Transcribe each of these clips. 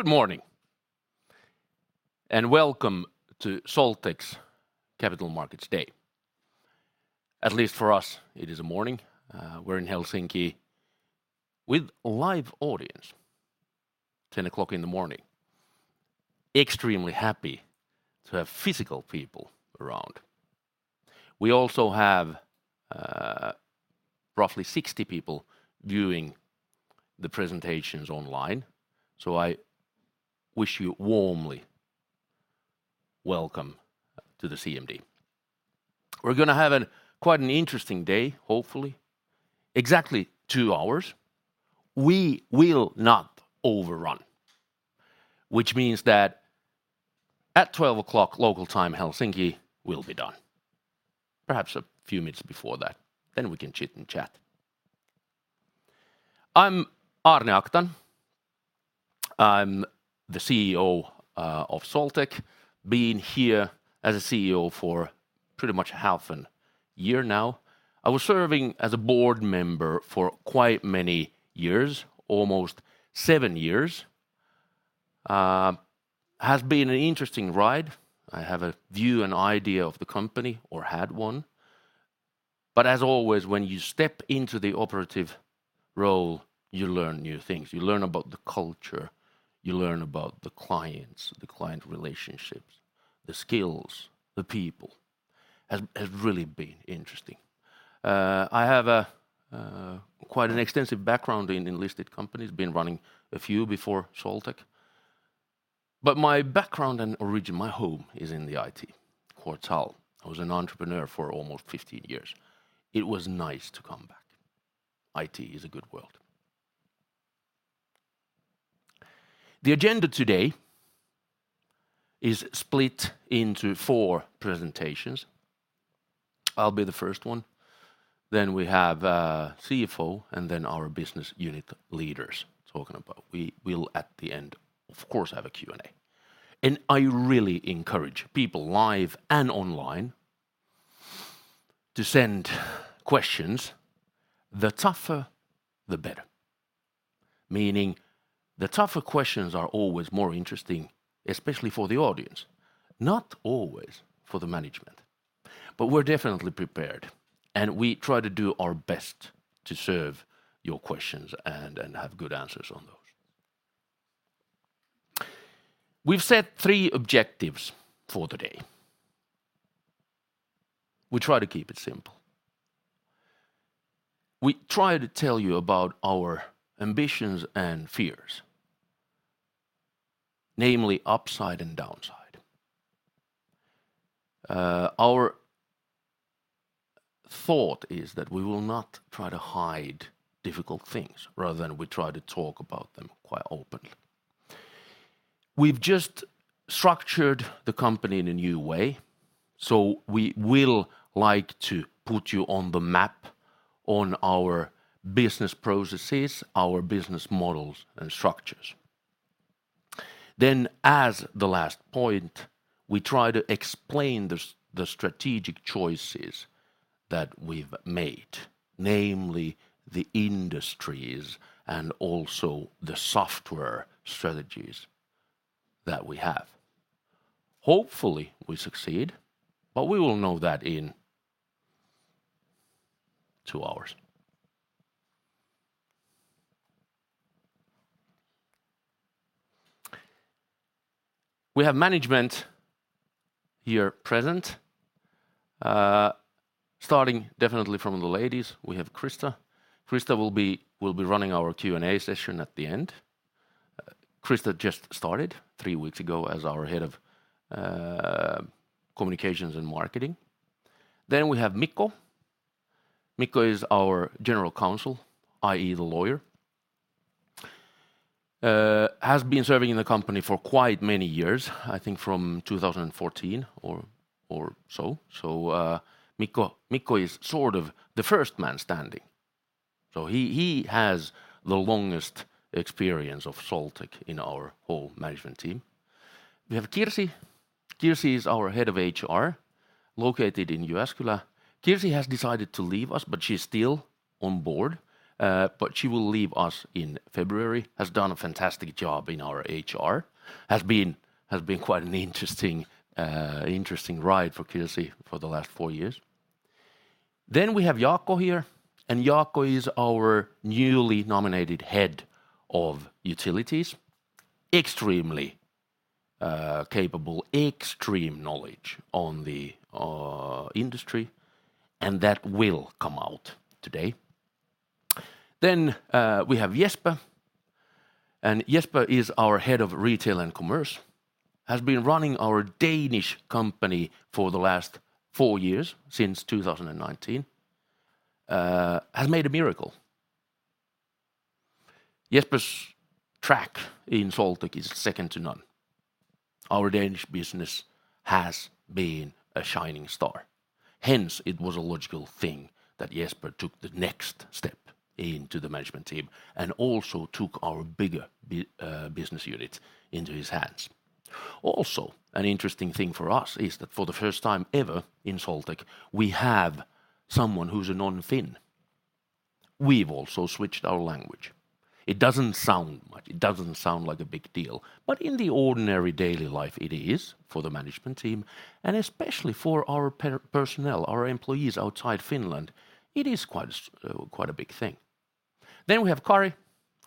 Good morning, welcome to Solteq's Capital Markets Day. At least for us, it is a morning. We're in Helsinki with live audience, 10:0 AM. Extremely happy to have physical people around. We also have, roughly 60 people viewing the presentations online, so I wish you warmly welcome to the CMD. We're gonna have quite an interesting day, hopefully. Exactly 2 hours. We will not overrun, which means that at 12:00 AM local time Helsinki, we'll be done. Perhaps a few minutes before that, then we can chit and chat. I'm Aarne Aktan. I'm the CEO of Solteq, been here as a CEO for pretty much half an year now. I was serving as a board member for quite many years, almost seven years. Has been an interesting ride. I have a view and idea of the company, or had one. As always, when you step into the operative role, you learn new things. You learn about the culture, you learn about the clients, the client relationships, the skills, the people. Has really been interesting. I have a quite an extensive background in enlisted companies, been running a few before Solteq. My background and origin, my home is in the IT, Quartal. I was an entrepreneur for almost 1five years. It was nice to come back. IT is a good world. The agenda today is split into four presentations. I'll be the first one. We have our CFO, and then our business unit leaders talking about. We will, at the end, of course, have a Q&A. I really encourage people live and online to send questions, the tougher, the better. Meaning, the tougher questions are always more interesting, especially for the audience, not always for the management. We're definitely prepared, and we try to do our best to serve your questions and have good answers on those. We've set three objectives for today. We try to keep it simple. We try to tell you about our ambitions and fears, namely upside and downside. Our thought is that we will not try to hide difficult things, rather than we try to talk about them quite openly. We've just structured the company in a new way, so we will like to put you on the map on our business processes, our business models and structures. As the last point, we try to explain the strategic choices that we've made, namely the industries and also the software strategies that we have. Hopefully, we succeed, but we will know that in 2 hours. We have management here present. Starting definitely from the ladies, we have Christa. Christa will be running our Q&A session at the end. Christa just started three weeks ago as our head of communications and marketing. We have Mikko. Mikko is our general counsel, i.e. the lawyer. Has been serving in the company for quite many years, I think from 2014 or so. Mikko is sort of the first man standing. He has the longest experience of Solteq in our whole management team. We have Kirsi. Kirsi is our head of HR, located in Jyväskylä. Kirsi has decided to leave us, but she's still on board. She will leave us in February. Has done a fantastic job in our HR. Has been quite an interesting ride for Kirsi for the last four years. We have Jaakko here, and Jaakko is our newly nominated Head of Utilities. Extremely capable, extreme knowledge on the industry, and that will come out today. We have Jesper and Jesper is our Head of Retail & Commerce, has been running our Danish company for the last four years, since 2019. Has made a miracle. Jesper's track in Solteq is second to none. Our Danish business has been a shining star. It was a logical thing that Jesper took the next step into the management team and also took our bigger business unit into his hands. An interesting thing for us is that for the first time ever in Solteq, we have someone who's a non-Finn. We've also switched our language. It doesn't sound much, it doesn't sound like a big deal, but in the ordinary daily life, it is for the management team, and especially for our personnel, our employees outside Finland, it is quite a big thing. We have Kari.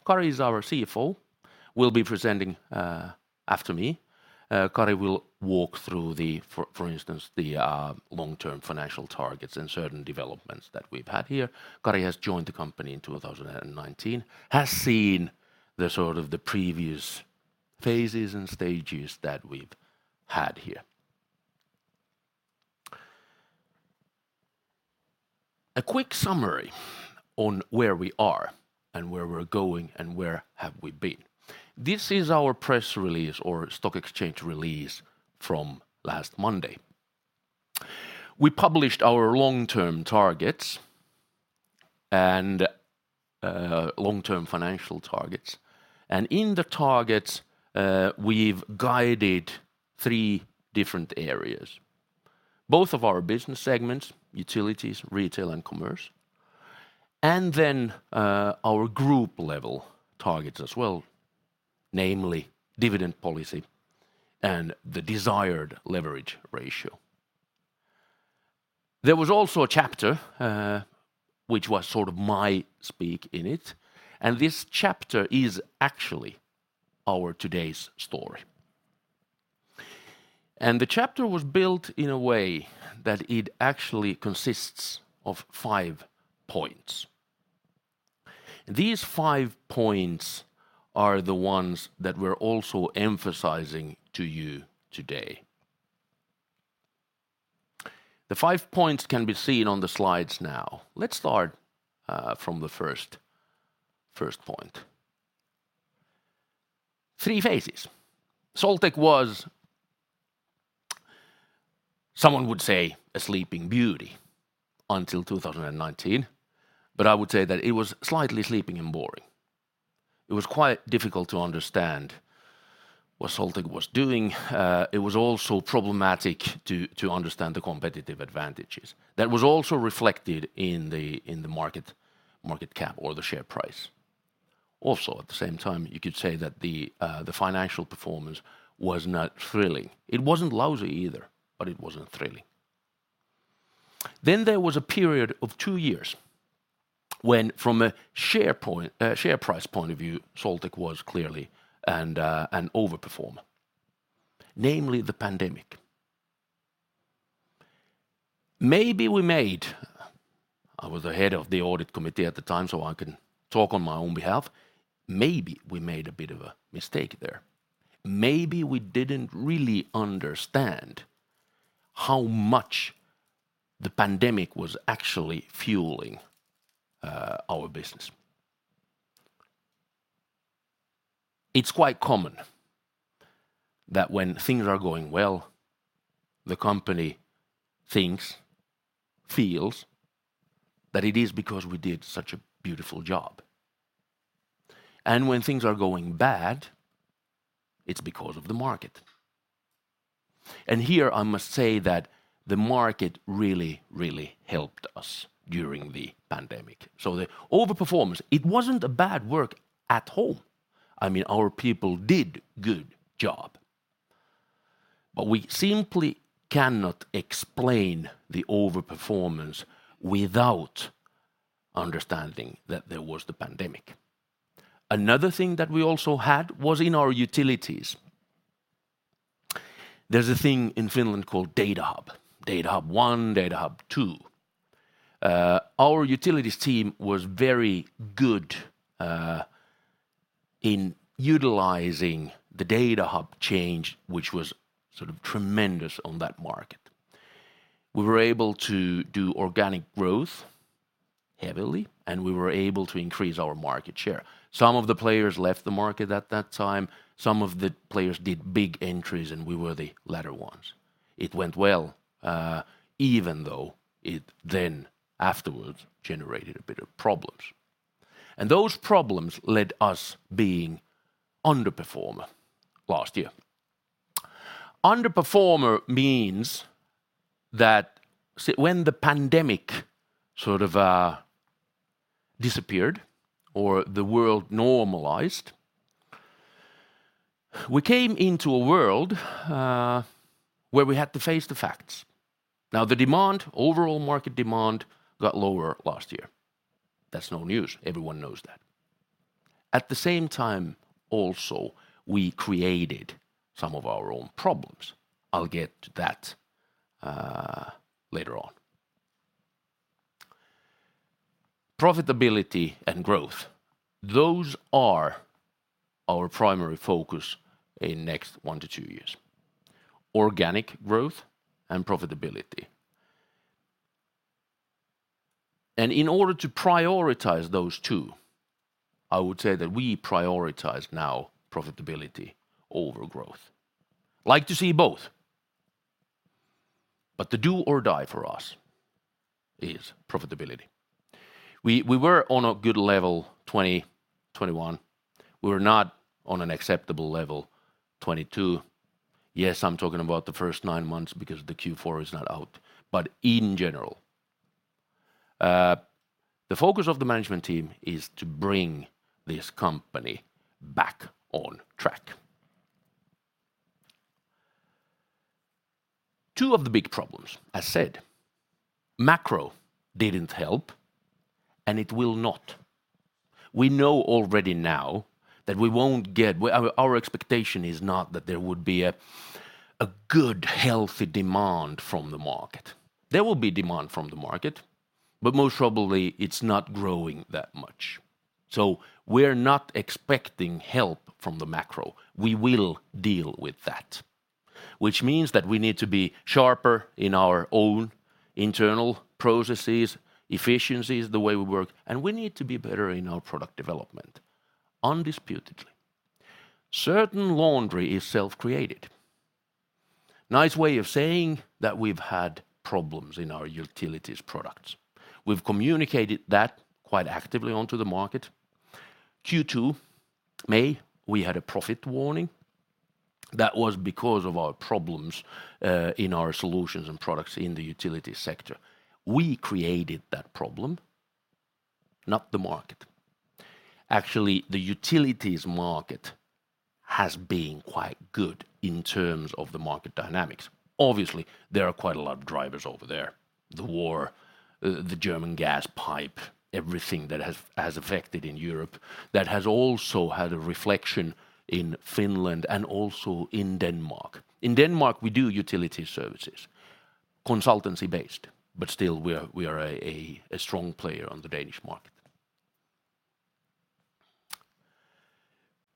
Kari is our CFO, will be presenting after me. Kari will walk through for instance, the long-term financial targets and certain developments that we've had here. Kari has joined the company in 2019, has seen the sort of the previous phases and stages that we've had here. A quick summary on where we are and where we're going and where have we been. This is our press release or stock exchange release from last Monday. We published our long-term targets and long-term financial targets, and in the targets, we've guided three different areas. Both of our business segments, utilities, retail, and commerce, and then, our group-level targets as well, namely dividend policy and the desired leverage ratio. There was also a chapter, which was sort of my speak in it, this chapter is actually our today's story. The chapter was built in a way that it actually consists of five points. These five points are the ones that we're also emphasizing to you today. The five points can be seen on the slides now. Let's start from the first point. Three phases. Solteq was, someone would say, a sleeping beauty until 2019, I would say that it was slightly sleeping and boring. It was quite difficult to understand what Solteq was doing. It was also problematic to understand the competitive advantages. That was also reflected in the market cap or the share price. At the same time, you could say that the financial performance was not thrilling. It wasn't lousy either, but it wasn't thrilling. There was a period of two years when from a share price point of view, Solteq was clearly an overperformer, namely the pandemic. I was the head of the audit committee at the time, so I can talk on my own behalf. Maybe we made a bit of a mistake there. Maybe we didn't really understand how much the pandemic was actually fueling our business. It's quite common that when things are going well, the company thinks, feels that it is because we did such a beautiful job. When things are going bad, it's because of the market. Here I must say that the market really, really helped us during the pandemic. The overperformance, it wasn't a bad work at home. I mean, our people did good job. We simply cannot explain the overperformance without understanding that there was the pandemic. Another thing that we also had was in our Utilities. There's a thing in Finland called Datahub: Datahub 1, Datahub 2. Our Utilities team was very good in utilizing the Datahub change, which was sort of tremendous on that market. We were able to do organic growth heavily, and we were able to increase our market share. Some of the players left the market at that time. Some of the players did big entries, and we were the latter ones. It went well, even though it then afterwards generated a bit of problems. Those problems led us being underperformer last year. Underperformer means that when the pandemic sort of disappeared or the world normalized, we came into a world where we had to face the facts. The demand, overall market demand got lower last year. That's no news. Everyone knows that. At the same time also, we created some of our own problems. I'll get to that later on. Profitability and growth, those are our primary focus in next one-two years. Organic growth and profitability. In order to prioritize those two, I would say that we prioritize now profitability over growth. Like to see both, but the do or die for us is profitability. We were on a good level 2021. We were not on an acceptable level 2022. Yes, I'm talking about the first nine months because the Q4 is not out. In general, the focus of the management team is to bring this Solteq back on track. Two of the big problems, I said macro didn't help, and it will not. We know already now that we won't get. Well, our expectation is not that there would be a good, healthy demand from the market. There will be demand from the market, but most probably it's not growing that much. We're not expecting help from the macro. We will deal with that, which means that we need to be sharper in our own internal processes, efficiencies, the way we work, and we need to be better in our product development undisputedly. Certain laundry is self-created. Nice way of saying that we've had problems in our Utilities products. We've communicated that quite actively onto the market. Q2 May, we had a profit warning that was because of our problems in our solutions and products in the utility sector. We created that problem, not the market. Actually, the utilities market has been quite good in terms of the market dynamics. Obviously, there are quite a lot of drivers over there. The war, the German gas pipe, everything that has affected in Europe, that has also had a reflection in Finland and also in Denmark. In Denmark, we do utility services, consultancy-based, but still we are a strong player on the Danish market.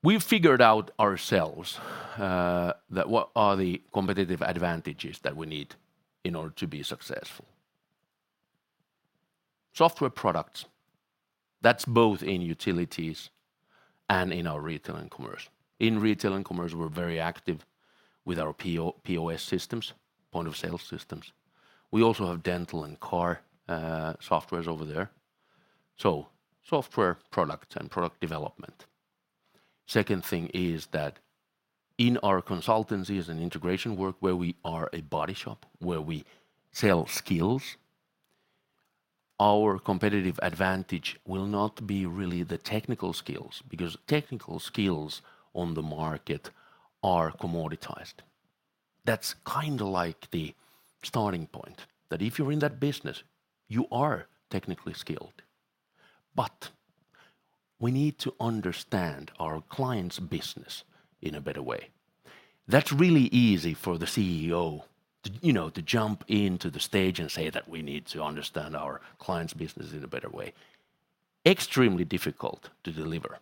We've figured out ourselves that what are the competitive advantages that we need in order to be successful. Software products, that's both in utilities and in our retail and commerce. In retail and commerce, we're very active with our POS systems, point of sale systems. We also have dental and car, softwares over there, so software products and product development. Second thing is that in our consultancies and integration work where we are a body shop, where we sell skills, our competitive advantage will not be really the technical skills, because technical skills on the market are commoditized. That's kind of like the starting point, that if you're in that business, you are technically skilled. But we need to understand our clients' business in a better way. That's really easy for the CEO to, you know, to jump into the stage and say that we need to understand our clients' business in a better way. Extremely difficult to deliver.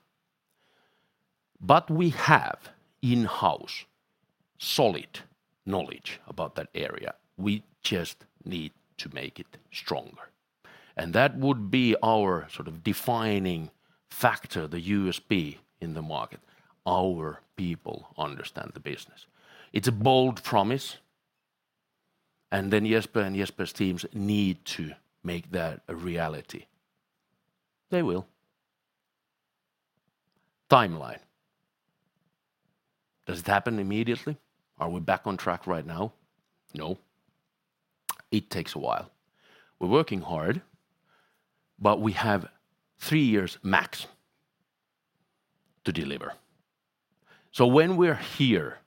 But we have in-house solid knowledge about that area. We just need to make it stronger. And that would be our sort of defining factor, the USP in the market. Our people understand the business. It's a bold promise. Then Jesper and Jesper's teams need to make that a reality. They will. Timeline. Does it happen immediately? Are we back on track right now? No. It takes a while. We're working hard, but we have three years max to deliver. When we're here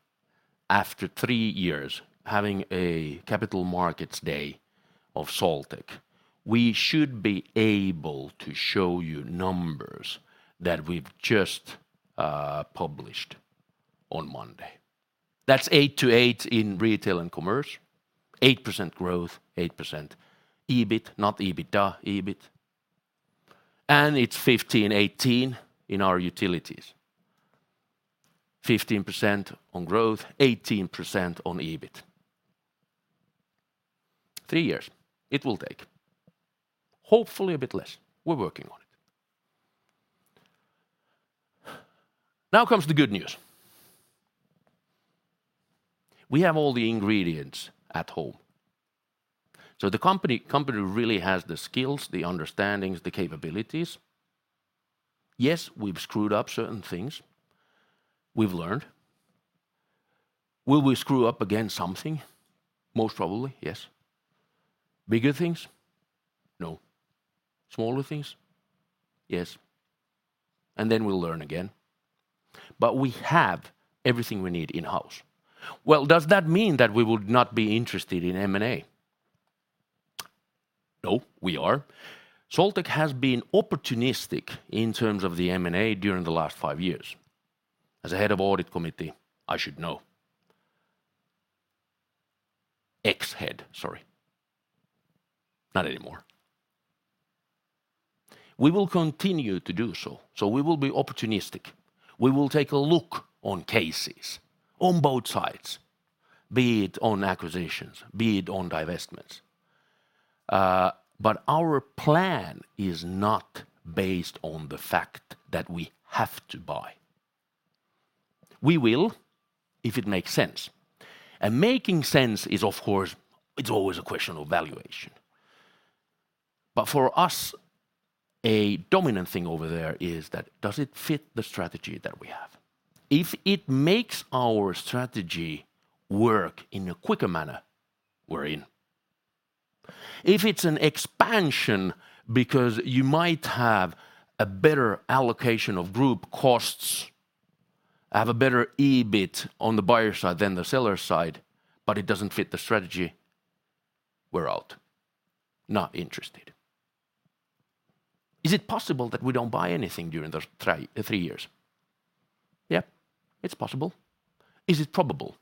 after three years, having a capital markets day of Solteq, we should be able to show you numbers that we've just published on Monday. That's 8-8 in retail and commerce, 8% growth, 8% EBIT, not EBITDA, EBIT, and it's 15-18 in our utilities. 15% on growth, 18% on EBIT. three years it will take. Hopefully a bit less. We're working on it. Comes the good news. We have all the ingredients at home. The company really has the skills, the understandings, the capabilities. Yes, we've screwed up certain things. We've learned. Will we screw up again something? Most probably, yes. Bigger things? No. Smaller things? Yes. Then we'll learn again. We have everything we need in-house. Does that mean that we would not be interested in M&A? No, we are. Solteq has been opportunistic in terms of the M&A during the last five years. As the head of audit committee, I should head, sorry. Not anymore. We will continue to do so. We will be opportunistic. We will take a look on cases on both sides, be it on acquisitions, be it on divestments. Our plan is not based on the fact that we have to buy. We will if it makes sense. Making sense is of course, it's always a question of valuation. For us, a dominant thing over there is that does it fit the strategy that we have? If it makes our strategy work in a quicker manner, we're in. If it's an expansion because you might have a better allocation of group costs, have a better EBIT on the buyer side than the seller side, but it doesn't fit the strategy, we're out. Not interested. Is it possible that we don't buy anything during those three years? Yeah, it's possible. Is it probable?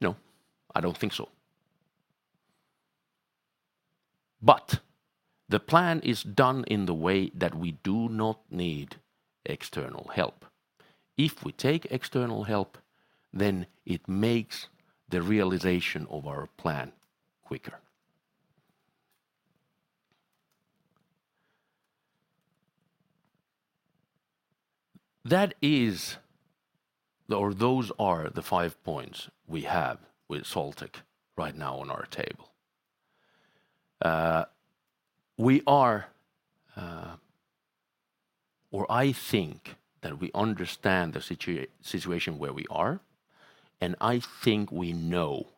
No, I don't think so. The plan is done in the way that we do not need external help. If we take external help, then it makes the realization of our plan quicker. Those are the five points we have with Solteq right now on our table. We are, or I think that we understand the situation where we are, and I think we know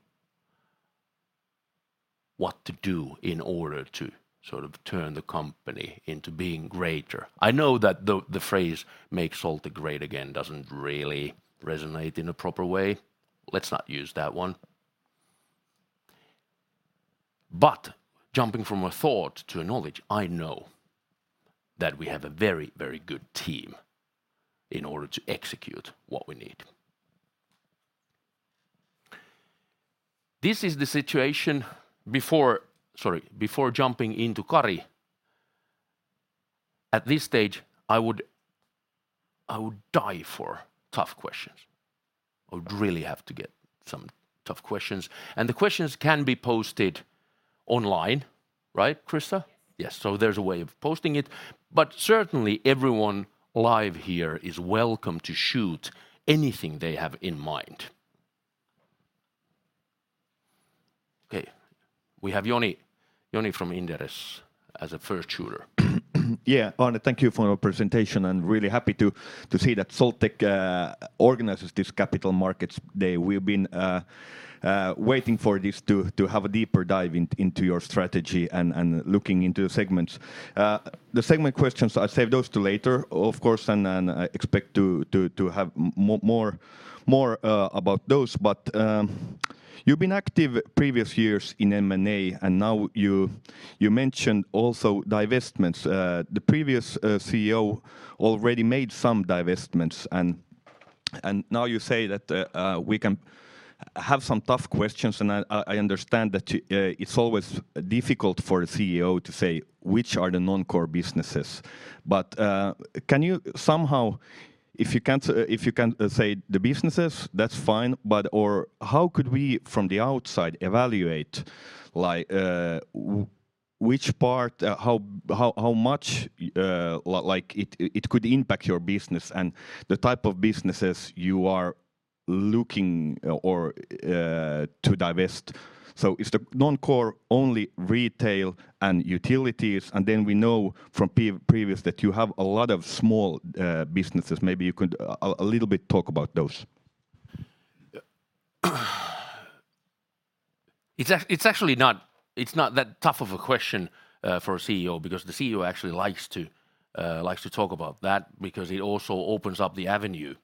what to do in order to sort of turn the company into being greater. I know that the phrase "Make Solteq great again" doesn't really resonate in a proper way. Let's not use that one. Jumping from a thought to a knowledge, I know that we have a very, very good team in order to execute what we need. This is the situation before. Sorry, before jumping into Kari, at this stage, I would die for tough questions. I would really have to get some tough questions. The questions can be posted online, right, Christa? Yes. There's a way of posting it, but certainly everyone live here is welcome to shoot anything they have in mind. Okay. We have Joni from Inderes as a first shooter. Yeah. Aarne, thank you for your presentation, really happy to see that Solteq organizes this Capital Markets Day. We've been waiting for this to have a deeper dive into your strategy and looking into segments. The segment questions, I'll save those to later, of course, then I expect to have more about those. You've been active previous years in M&A, and now you mentioned also divestments. The previous CEO already made some divestments and now you say that we can have some tough questions, and I understand that it's always difficult for a CEO to say which are the non-core businesses. Can you somehow, if you can't say the businesses, that's fine, but... How could we from the outside evaluate, like, which part, how much, like, it could impact your business and the type of businesses you are looking or to divest? Is the non-core only retail and utilities? We know from previous that you have a lot of small businesses. Maybe you could a little bit talk about those. It's actually not, it's not that tough of a question, for a CEO because the CEO actually likes to talk about that because it also opens up the avenue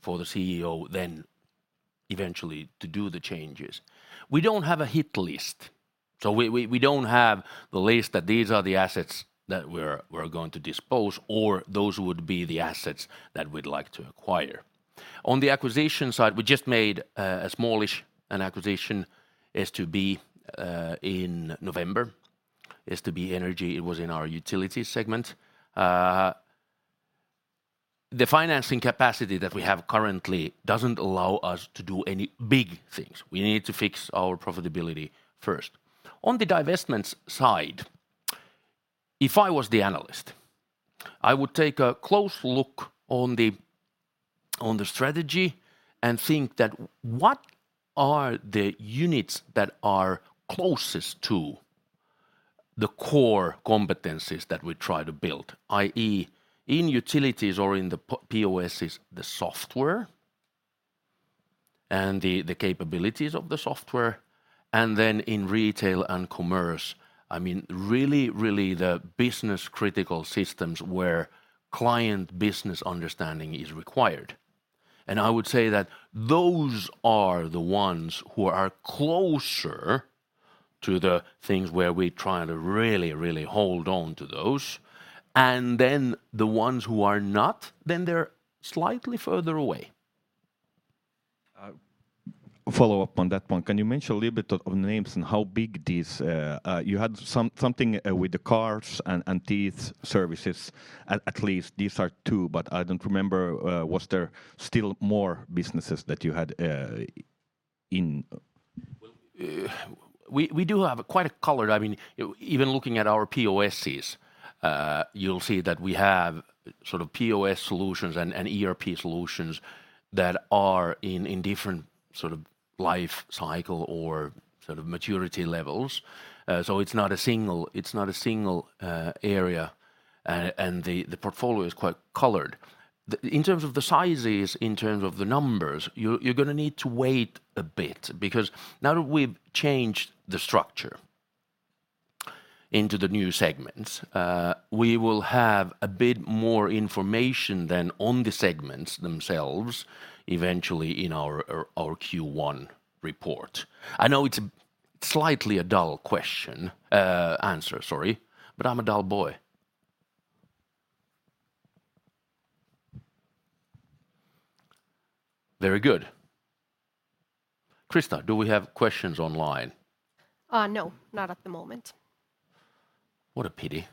for the CEO then eventually to do the changes. We don't have a hit list. We don't have the list that these are the assets that we're going to dispose or those would be the assets that we'd like to acquire. On the acquisition side, we just made a smallish, an acquisition, STB, in November, STB Energy. It was in our utility segment. The financing capacity that we have currently doesn't allow us to do any big things. We need to fix our profitability first. On the divestments side, if I was the analyst, I would take a close look on the strategy and think that what are the units that are closest to the core competencies that we try to build, i.e., in Utilities or in the POSs, the software and the capabilities of the software, and then in Retail & Commerce, I mean, really the business-critical systems where client business understanding is required. I would say that those are the ones who are closer to the things where we try to really hold on to those. The ones who are not, then they're slightly further away. I follow up on that point. Can you mention a little bit of names and how big these. You had something with the cars and teeth services, at least these are two, but I don't remember, was there still more businesses that you had, in- Well, we do have quite a color. I mean, even looking at our POSs, you'll see that we have sort of POS solutions and ERP solutions that are in different sort of life cycle or sort of maturity levels. So it's not a single area, and the portfolio is quite colored. In terms of the sizes, in terms of the numbers, you're gonna need to wait a bit because now that we've changed the structure into the new segments, we will have a bit more information than on the segments themselves eventually in our Q1 report. I know it's slightly a dull question, answer, sorry, but I'm a dull boy. Very good. Christa, do we have questions online? No. Not at the moment. What a pity.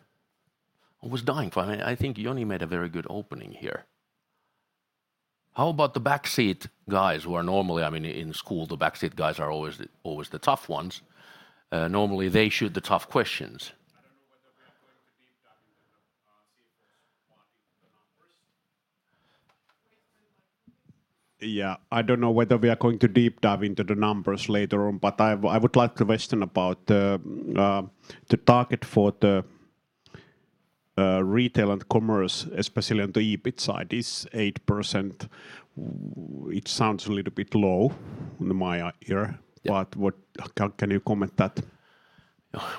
I was dying for I think Joni made a very good opening here. How about the backseat guys who are normally. I mean, in school, the backseat guys are always the tough ones. Normally they shoot the tough questions. Yeah. I don't know whether we are going to deep dive into the numbers later on, but I would like to question about the target for the retail and commerce, especially on the EBIT side is 8%. It sounds a little bit low in my ear. Yeah. What can you comment that?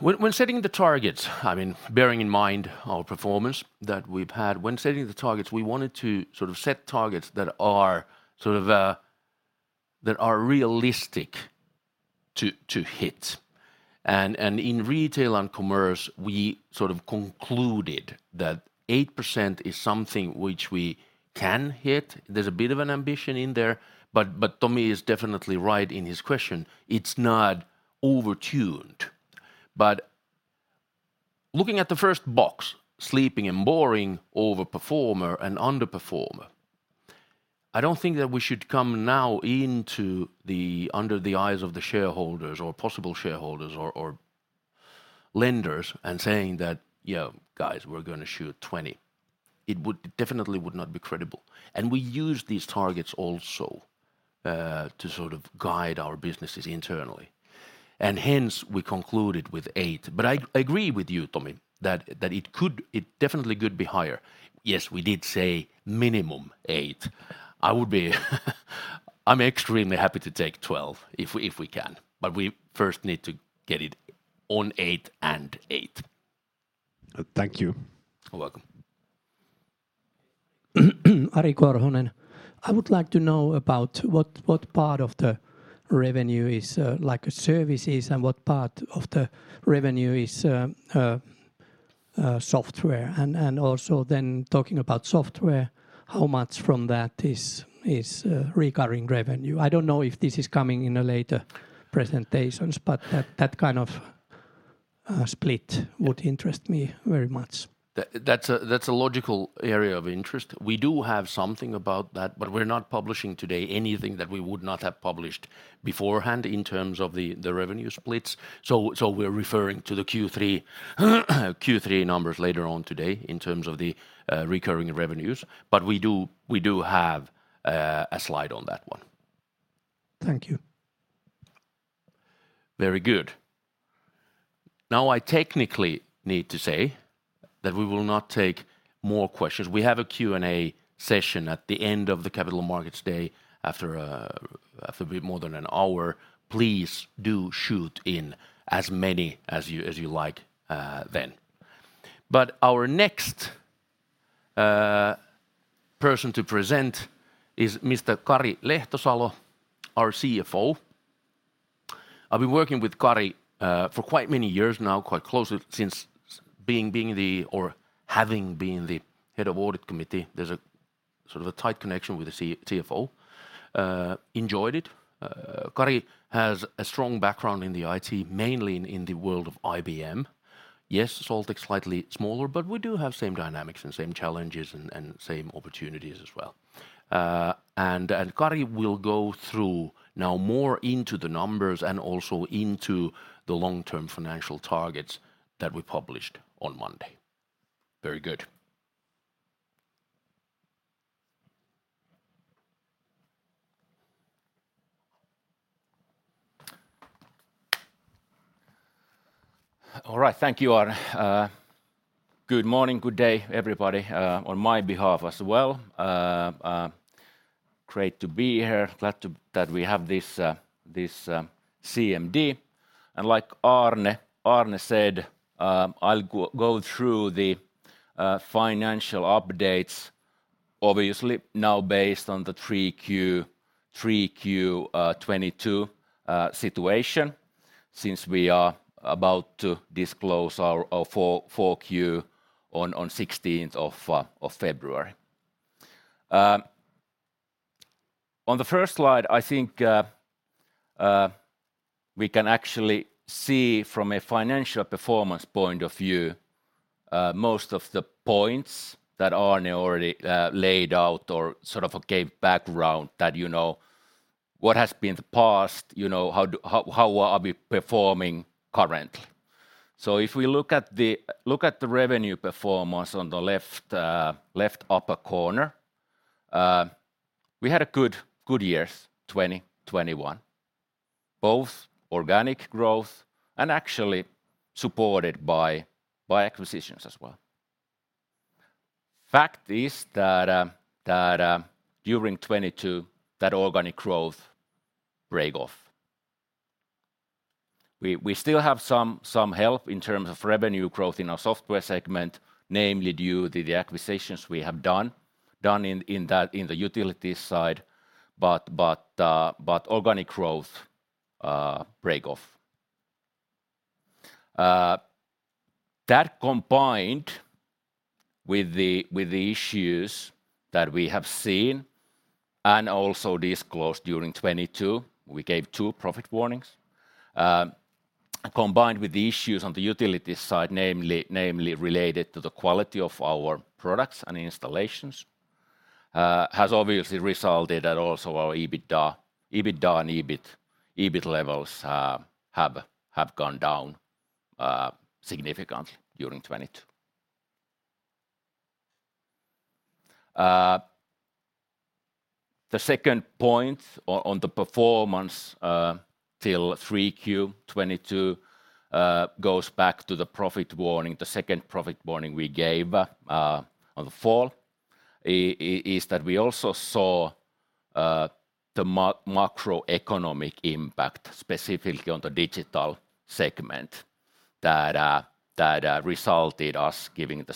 When setting the targets, I mean, bearing in mind our performance that we've had, when setting the targets, we wanted to sort of set targets that are sort of, that are realistic to hit. In retail and commerce, we sort of concluded that 8% is something which we can hit. There's a bit of an ambition in there, but Tommy is definitely right in his question. It's not over-tuned. Looking at the first box, sleeping and boring overperformer and underperformer, I don't think that we should come now into the under the eyes of the shareholders or possible shareholders or lenders and saying that, "Yo, guys, we're gonna shoot 20." It definitely would not be credible. We use these targets also, to sort of guide our businesses internally. Hence, we concluded with 8%. I agree with you, Tommy, that it could, it definitely could be higher. Yes, we did say minimum eight. I'm extremely happy to take 12 if we can. We first need to get it eight and eight. Thank you. You're welcome. I would like to know about what part of the revenue is like services and what part of the revenue is software. Also then talking about software, how much from that is recurring revenue? I don't know if this is coming in a later presentations, but that kind of split would interest me very much. That's a, that's a logical area of interest. We do have something about that, but we're not publishing today anything that we would not have published beforehand in terms of the revenue splits. We're referring to the Q3 numbers later on today in terms of the recurring revenues. We do have a slide on that one. Thank you. Very good. I technically need to say that we will not take more questions. We have a Q&A session at the end of the Capital Markets Day after we more than an hour. Please do shoot in as many as you like then. Our next person to present is Mr. Kari Lehtosalo, our CFO. I've been working with Kari for quite many years now, quite closely since being the or having been the head of audit committee. There's a sort of a tight connection with the CFO. Enjoyed it. Kari has a strong background in the IT, mainly in the world of IBM. Yes, Solteq's slightly smaller, but we do have same dynamics and same challenges and same opportunities as well. Kari will go through now more into the numbers and also into the long-term financial targets that we published on Monday. Very good. All right. Thank you, Aarne. Good morning, good day, everybody, on my behalf as well. Great to be here. Glad that we have this CMD. Like Aarne said, I'll go through the financial updates. Obviously now based on the 3Q 2022 situation since we are about to disclose our 4Q on 16th February. On the first slide, I think, we can actually see from a financial performance point of view, most of the points that Aarne already laid out or sort of gave background that, you know, what has been the past, you know, how are we performing currently. If we look at the revenue performance on the left upper corner, we had good years 2021, both organic growth and actually supported by acquisitions as well. Fact is that, during 2022, that organic growth break off. We still have some help in terms of revenue growth in our software segment, namely due to the acquisitions we have done in the utility side, but organic growth break off. That combined with the issues that we have seen and also disclosed during 2022, we gave 2 profit warnings. Combined with the issues on the utility side, namely related to the quality of our products and installations, has obviously resulted at also our EBITDA and EBIT levels have gone down significantly during 2022. The second point on the performance till 3Q 2022 goes back to the profit warning. The second profit warning we gave on the fall is that we also saw the macroeconomic impact, specifically on the digital segment that resulted us giving the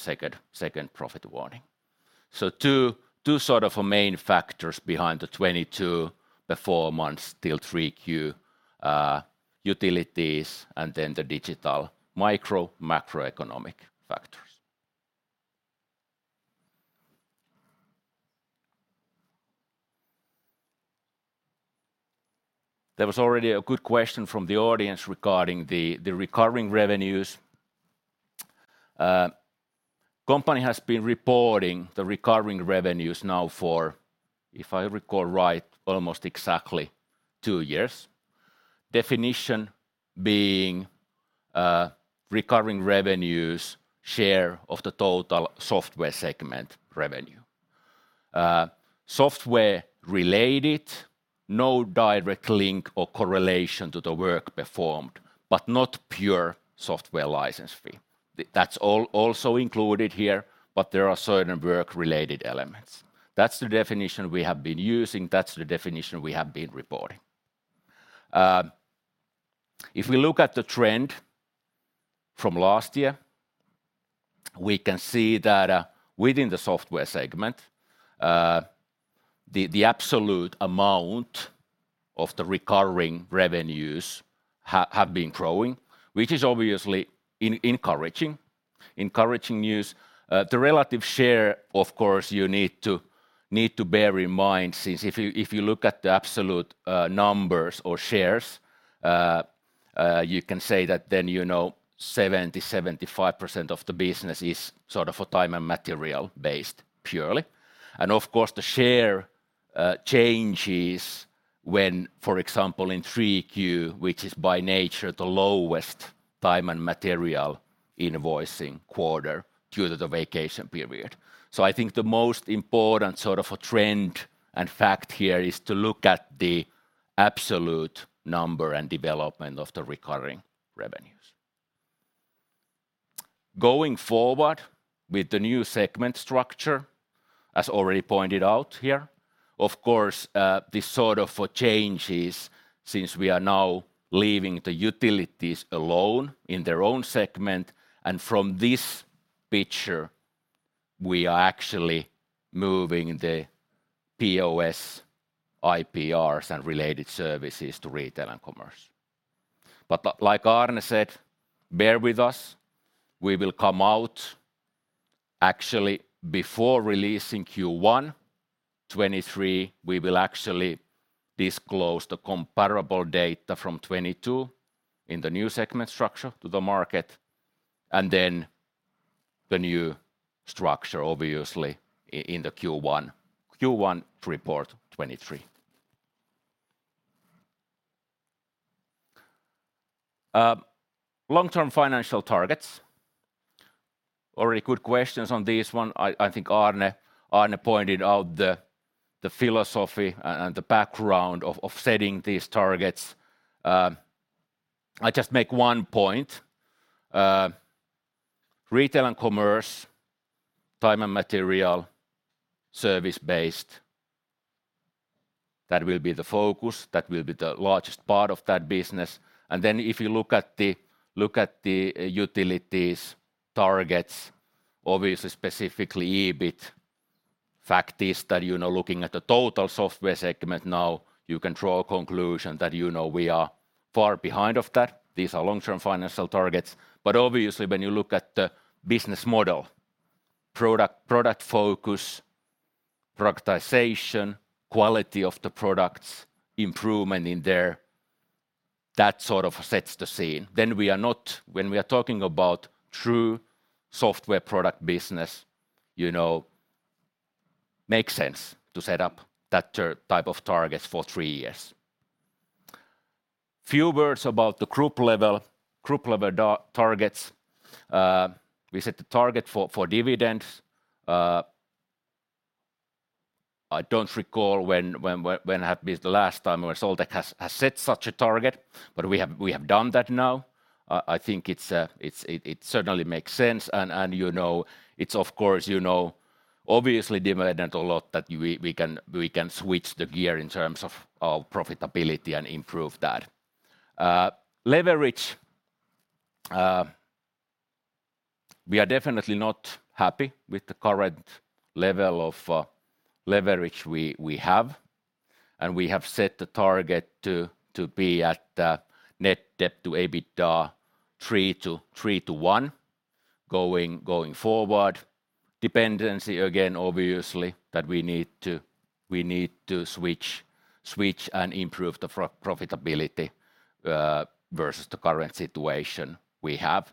second profit warning. Two sort of main factors behind the 2022 performance till 3Q, utilities and then the digital macroeconomic factors. There was already a good question from the audience regarding the recurring revenues. Company has been reporting the recurring revenues now for, if I recall right, almost exactly two years. Definition being recurring revenues share of the total software segment revenue. Software related, no direct link or correlation to the work performed, but not pure software license fee. That's also included here, but there are certain work-related elements. That's the definition we have been using. That's the definition we have been reporting. If we look at the trend from last year, we can see that within the software segment, the absolute amount of the recurring revenues have been growing, which is obviously encouraging news. The relative share, of course, you need to, need to bear in mind since if you, if you look at the absolute numbers or shares, you can say that then, you know, 70%, 75% of the business is sort of for time and material based purely. Of course, the share changes when, for example, in 3Q, which is by nature the lowest time and material invoicing quarter due to the vacation period. I think the most important sort of a trend and fact here is to look at the absolute number and development of the recurring revenues. Going forward with the new segment structure, as already pointed out here, of course, this sort of changes since we are now leaving the Utilities alone in their own segment, and from this picture, we are actually moving the POS, IPRs, and related services to Retail & Commerce. Like Aarne said, bear with us, we will come out. Actually, before releasing Q1 2023, we will actually disclose the comparable data from 2022 in the new segment structure to the market, and then the new structure obviously in the Q1 report 2023. Long-term financial targets. Already good questions on this one. I think Aarne pointed out the philosophy and the background of setting these targets. I just make one point. Retail & Commerce, time and material, service-based. That will be the focus, that will be the largest part of that business. If you look at the utilities targets, obviously specifically EBIT, fact is that, you know, looking at the total software segment now, you can draw a conclusion that, you know, we are far behind of that. These are long-term financial targets. Obviously when you look at the business model, product focus, productization, quality of the products, improvement in there, that sort of sets the scene. We are not. When we are talking about true software product business, you know, makes sense to set up that type of targets for three years. Few words about the group level targets. We set the target for dividends. I don't recall when have been the last time where Solteq has set such a target, but we have done that now. I think it's, it certainly makes sense and, you know, it's of course, you know, obviously demanded a lot that we can switch the gear in terms of profitability and improve that. Leverage, we are definitely not happy with the current level of leverage we have and we have set the target to be at net debt to EBITDA 3-1 going forward. Dependency again, obviously, that we need to switch and improve the profitability versus the current situation we have.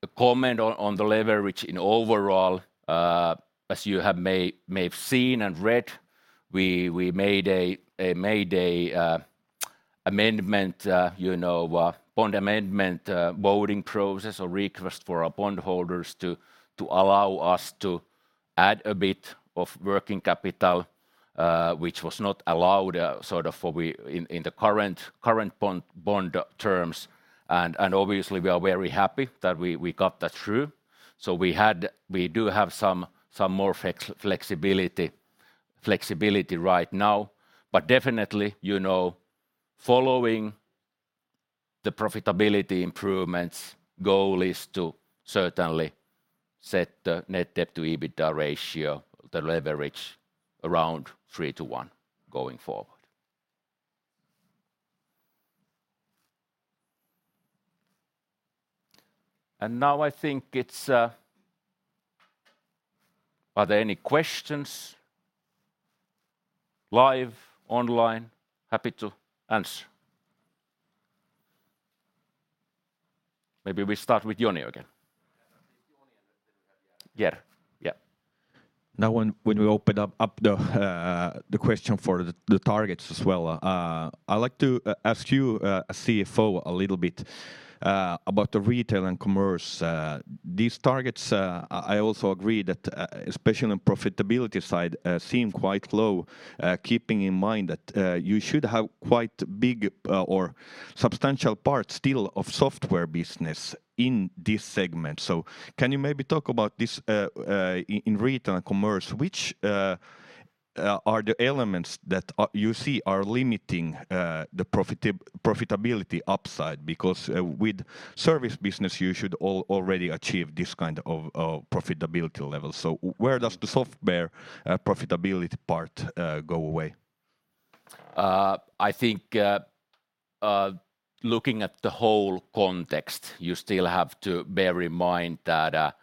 A comment on the leverage in overall, as you may have seen and read, we made a bond amendment, you know, bond amendment voting process or request for our bondholders to allow us to add a bit of working capital, which was not allowed in the current bond terms. Obviously, we are very happy that we got that through. We do have some more flexibility right now. But definitely, you know, following the profitability improvements, goal is to certainly set the net debt to EBITDA ratio, the leverage, around 3-1 going forward. Now I think it's, are there any questions, live online. Happy to answer. Maybe we start to Joni again. Yeah Joni. Yeah. Now when we open up the question for the targets as well, I'd like to ask you as CFO a little bit about the retail and commerce. These targets, I also agree that especially on profitability side, seem quite low, keeping in mind that you should have quite big or substantial part still of software business in this segment. Can you maybe talk about this in retail and commerce? Which are the elements that are, you see are limiting the profitability upside? With service business you should already achieve this kind of profitability level. Where does the software profitability part go away? I think, looking at the whole context, you still have to bear in mind that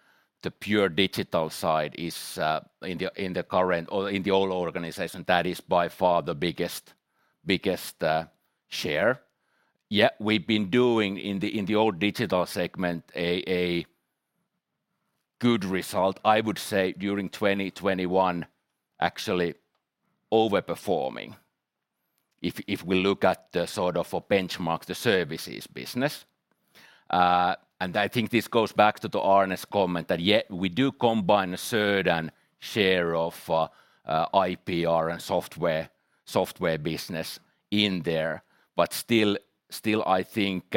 the pure digital side is in the current or in the old organization, that is by far the biggest share. Yet we've been doing in the old digital segment a good result, I would say during 2021 actually overperforming if we look at the sort of a benchmark, the services business. And I think this goes back to Aarne's comment that yet we do combine a certain share of IPR and software business in there. But still, I think,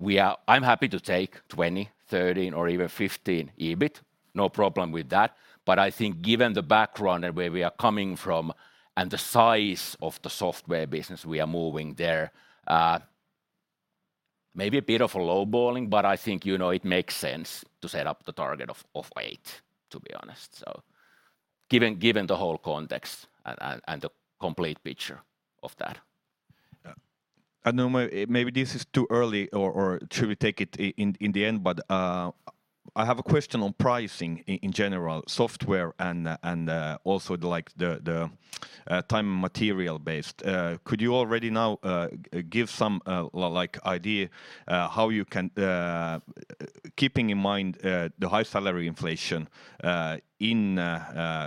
we are I'm happy to take 20, 13 or even 15 EBIT. No problem with that. I think given the background and where we are coming from and the size of the software business we are moving there, maybe a bit of a lowballing, but I think, you know, it makes sense to set up the target of eight, to be honest. Given the whole context and the complete picture of that. I know maybe this is too early or should we take it in the end. I have a question on pricing in general, software and also the, like, the time material based. Could you already now give some, like idea, how you can, keeping in mind the high salary inflation in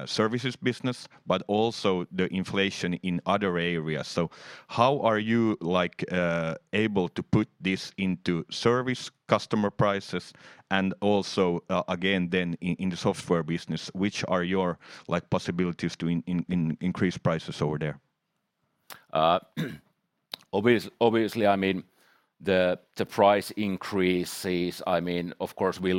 services business, but also the inflation in other areas? How are you, like, able to put this into service customer prices and again in the software business, which are your, like, possibilities to increase prices over there? obviously, I mean, the price increases, I mean, of course we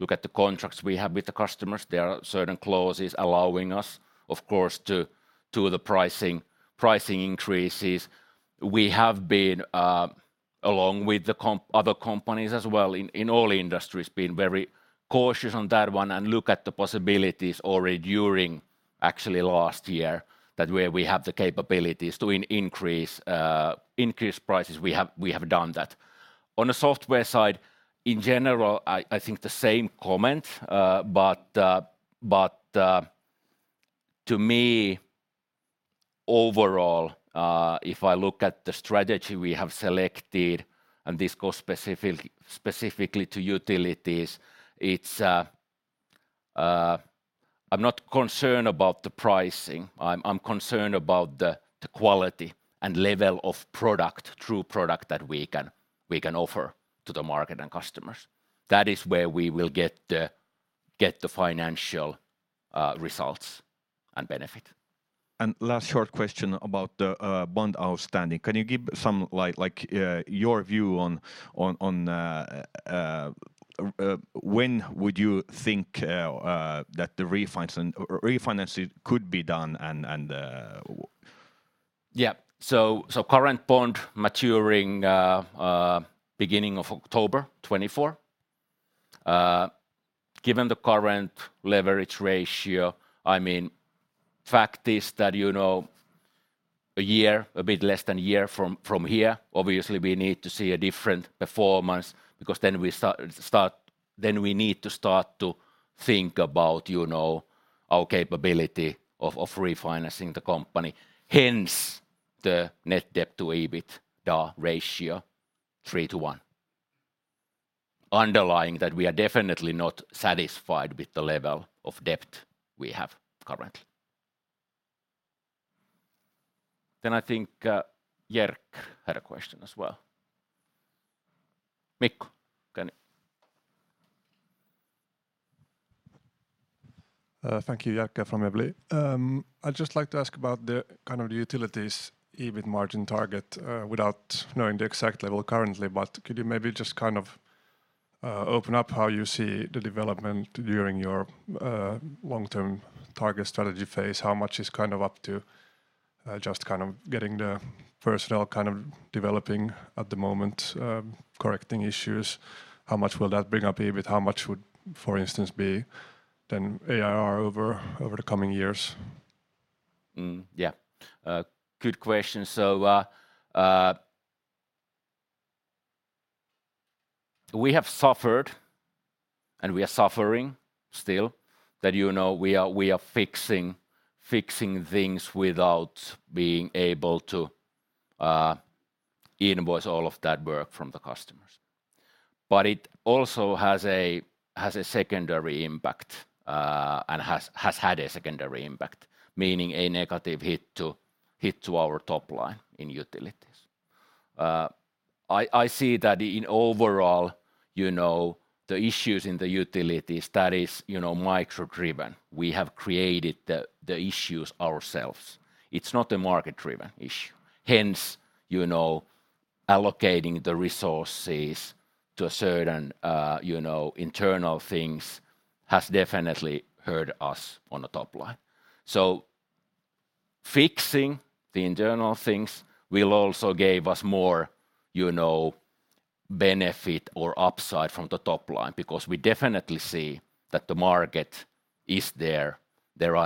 look at the contracts we have with the customers. There are certain clauses allowing us, of course, to the pricing increases. We have been along with the other companies as well in all industries, been very cautious on that one and look at the possibilities already during actually last year that where we have the capabilities to increase prices, we have done that. On the software side, in general I think the same comment. To me overall, if I look at the strategy we have selected, and this goes specifically to utilities, it's, I'm not concerned about the pricing. I'm concerned about the quality and level of product, true product that we can offer to the market and customers. That is where we will get the financial results and benefit. Last short question about the bond outstanding. Can you give some like your view on when would you think that the refinancing could be done? Current bond maturing, beginning of October 2024. Given the current leverage ratio, I mean, fact is that, you know, a year, a bit less than a year from here, obviously we need to see a different performance because then we need to start to think about, you know, our capability of refinancing the company. Hence, the net debt to EBITDA ratio 3 to 1. Underlying that we are definitely not satisfied with the level of debt we have currently. I think Jerk had a question as well. Mikko, can you- Thank you. Häyhä, from Evli I'd just like to ask about the kind of the utilities EBIT margin target, without knowing the exact level currently. Could you maybe just kind of open up how you see the development during your long-term target strategy phase? How much is kind of up to just kind of getting the personnel kind of developing at the moment, correcting issues? How much will that bring up EBIT? How much would, for instance, be then ARR over the coming years? Yeah. Good question. we have suffered, and we are suffering still, that, you know, we are fixing things without being able to invoice all of that work from the customers. It also has a secondary impact, and has had a secondary impact, meaning a negative hit to our top line in utilities. I see that in overall, you know, the issues in the utilities, that is, you know, micro-driven. We have created the issues ourselves. It's not a market-driven issue. Hence, you know, allocating the resources to a certain, you know, internal things has definitely hurt us on the top line. Fixing the internal things will also gave us more, you know, benefit or upside from the top line, because we definitely see that the market is there. There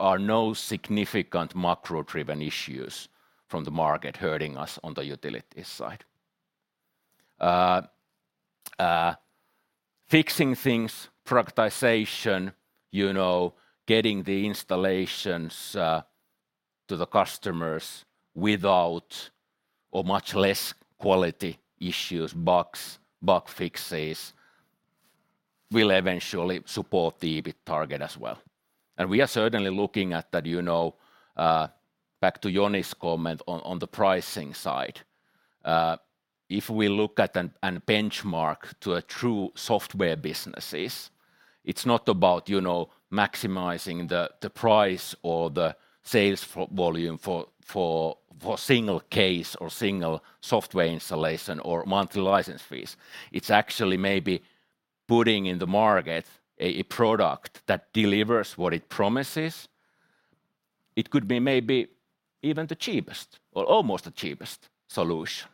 are no significant macro-driven issues from the market hurting us on the utilities side. Fixing things, productization, you know, getting the installations to the customers without, or much less quality issues, bugs, bug fixes, will eventually support the EBIT target as well. We are certainly looking at that, you know, back to Joni's comment on the pricing side. If we look at and benchmark to a true software businesses, it's not about, you know, maximizing the price or the sales volume for single case or single software installation or monthly license fees. It's actually maybe putting in the market a product that delivers what it promises. It could be maybe even the cheapest or almost the cheapest solution.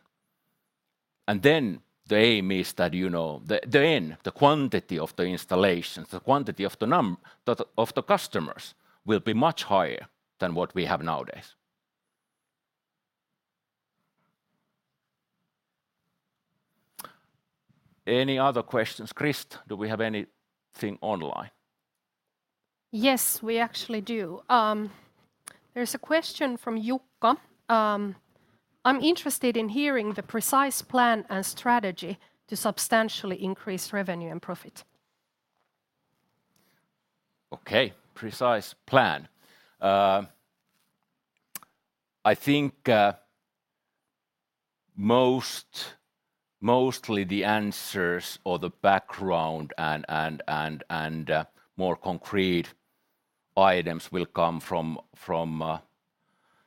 Then the aim is that, you know, the end, the quantity of the installations, the quantity of the customers will be much higher than what we have nowadays. Any other questions? Christa, do we have anything online? Yes, we actually do. There's a question from Juha. "I'm interested in hearing the precise plan and strategy to substantially increase revenue and profit. Okay. Precise plan. I think mostly the answers or the background and more concrete items will come from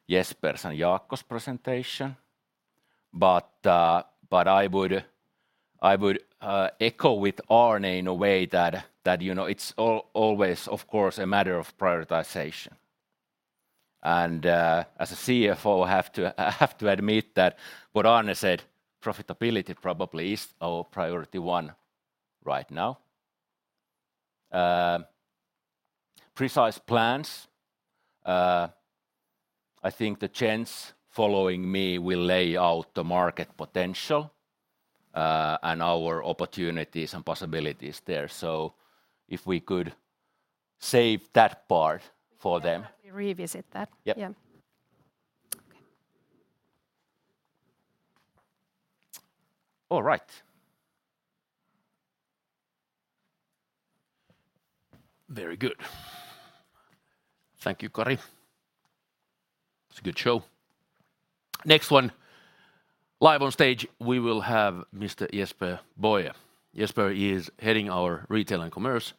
Jesper's and Jaakko's presentation. I would echo with Aarne in a way that, you know, it's always of course a matter of prioritization. As a CFO, I have to admit that what Aarne said, profitability probably is our priority one right now. Precise plans, I think the chance following me will lay out the market potential and our opportunities and possibilities there. If we could save that part for them. We can probably revisit that. Yep. Yeah. Okay. All right. Very good. Thank you, Kari. It's a good show. Next one, live on stage, we will have Mr. Jesper Boye. Jesper is heading our Retail & Commerce.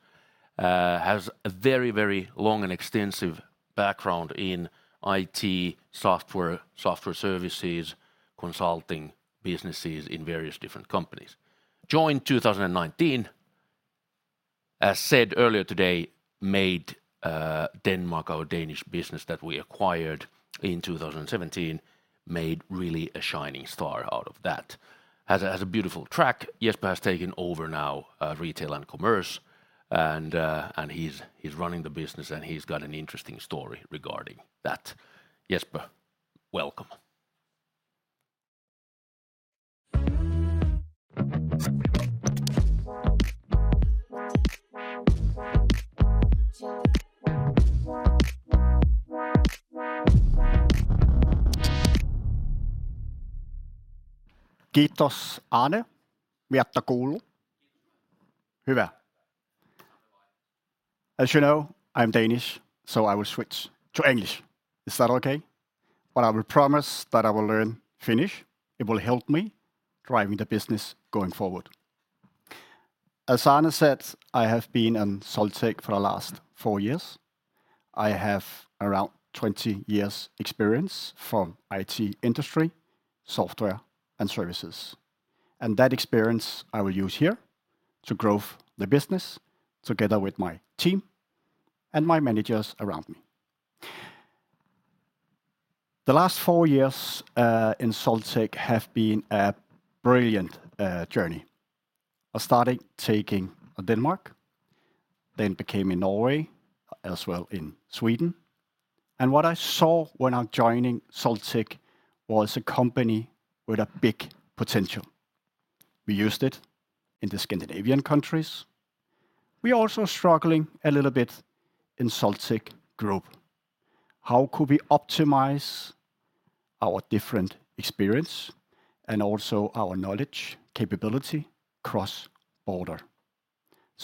Has a very, very long and extensive background in IT, software services, consulting businesses in various different companies. Joined 2019. As said earlier today, made Denmark our Danish business that we acquired in 2017, made really a shining star out of that. Has a beautiful track. Jesper has taken over now Retail & Commerce, and he's running the business, and he's got an interesting story regarding that. Jesper, welcome. As you know, I'm Danish. I will switch to English. Is that okay? I will promise that I will learn Finnish. It will help me driving the business going forward. As Aarne said, I have been in Solteq for the last four years. I have around 20 years experience from IT industry, software, and services. That experience I will use here to grow the business together with my team and my managers around me. The last four years in Solteq have been a brilliant journey. I started taking Denmark, then became in Norway, as well in Sweden. What I saw when I joining Solteq was a company with a big potential. We used it in the Scandinavian countries. We also struggling a little bit in Solteq Group. How could we optimize our different experience and also our knowledge, capability cross-border?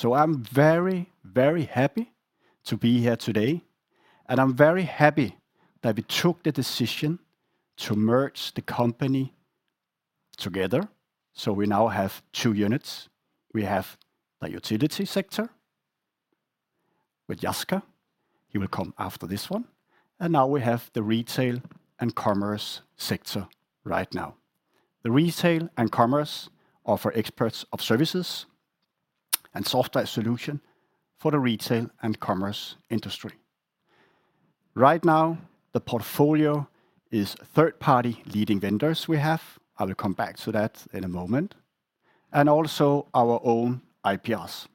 I'm very, very happy to be here today, and I'm very happy that we took the decision to merge the company together, so we now have two units. We have the utility sector with Jaska. He will come after this one. Now we have the retail and commerce sector right now. The retail and commerce are for experts of services and software solution for the retail and commerce industry. Right now, the portfolio is third-party leading vendors we have. I will come back to that in a moment. Also our own IPS.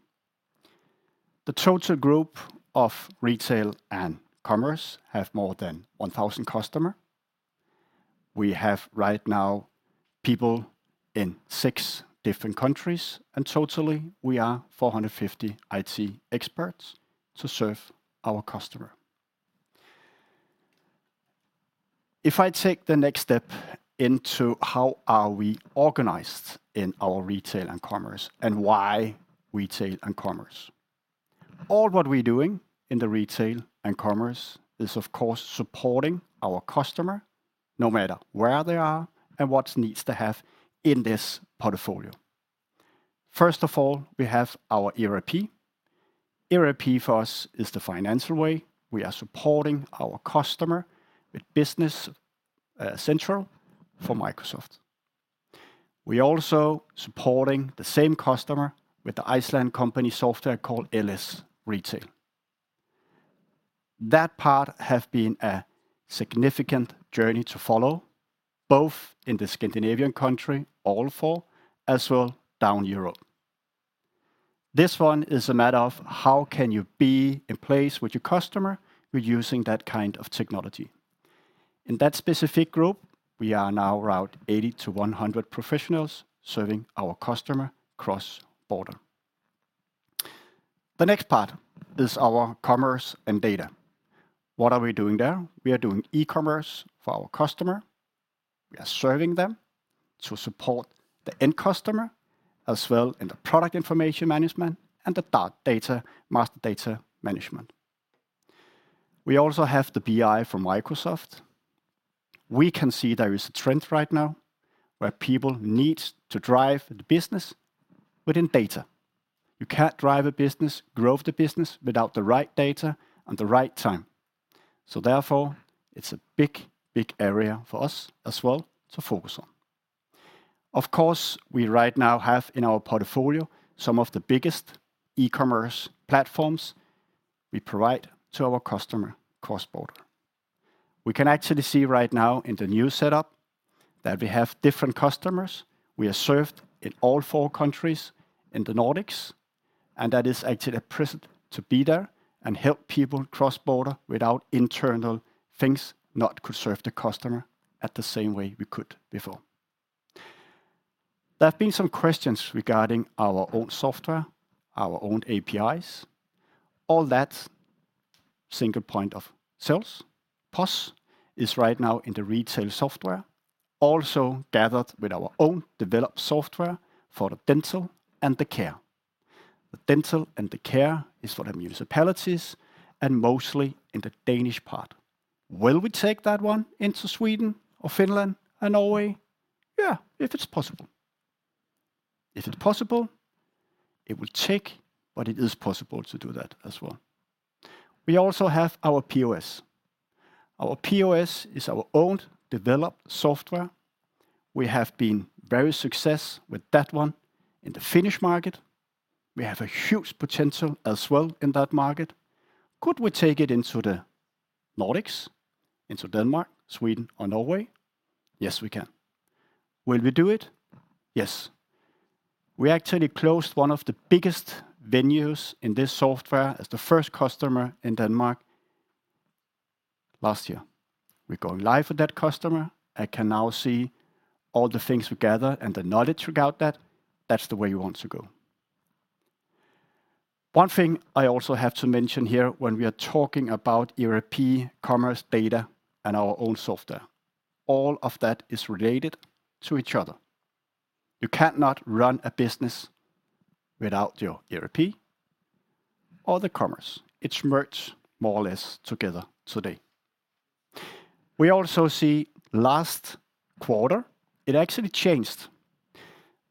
The total group of retail and commerce have more than 1,000 customer. We have right now people in six different countries, and totally we are 450 IT experts to serve our customer. If I take the next step into how are we organized in our retail and commerce and why retail and commerce. All what we're doing in the retail and commerce is of course supporting our customer no matter where they are and what needs to have in this portfolio. First of all, we have our ERP. ERP for us is the financial way. We are supporting our customer with Business Central for Microsoft. We also supporting the same customer with the Iceland company software called LS Retail. That part have been a significant journey to follow, both in the Scandinavian country, all four, as well down Europe. This one is a matter of how can you be in place with your customer with using that kind of technology. In that specific group, we are now around 80-100 professionals serving our customer cross-border. The next part is our commerce and data. What are we doing there? We are doing e-commerce for our customer. We are serving them to support the end customer, as well in the product information management and the data, master data management. We also have the BI from Microsoft. We can see there is a trend right now where people need to drive the business within data. You can't drive a business, grow the business, without the right data and the right time. Therefore, it's a big area for us as well to focus on. Of course, we right now have in our portfolio some of the biggest e-commerce platforms we provide to our customer cross-border. We can actually see right now in the new setup that we have different customers. We are served in all four countries in the Nordics. That is actually a privilege to be there and help people cross-border without internal things not could serve the customer at the same way we could before. There have been some questions regarding our own software, our own APIs, all that single point of sale. POS is right now in the retail software, also gathered with our own developed software for the dental and the care. The dental and the care is for the municipalities and mostly in the Danish part. Will we take that one into Sweden or Finland and Norway? Yeah, if it's possible. If it's possible, it will take. It is possible to do that as well. We also have our POS. Our POS is our own developed software. We have been very success with that one in the Finnish market. We have a huge potential as well in that market. Could we take it into the Nordics, into Denmark, Sweden or Norway? Yes, we can. Will we do it? Yes. We actually closed one of the biggest venues in this software as the first customer in Denmark last year. We're going live with that customer and can now see all the things we gather and the knowledge we got that's the way we want to go. One thing I also have to mention here when we are talking about ERP, commerce, data and our own software, all of that is related to each other. You cannot run a business without your ERP or the commerce. It's merged more or less together today. We also see last quarter, it actually changed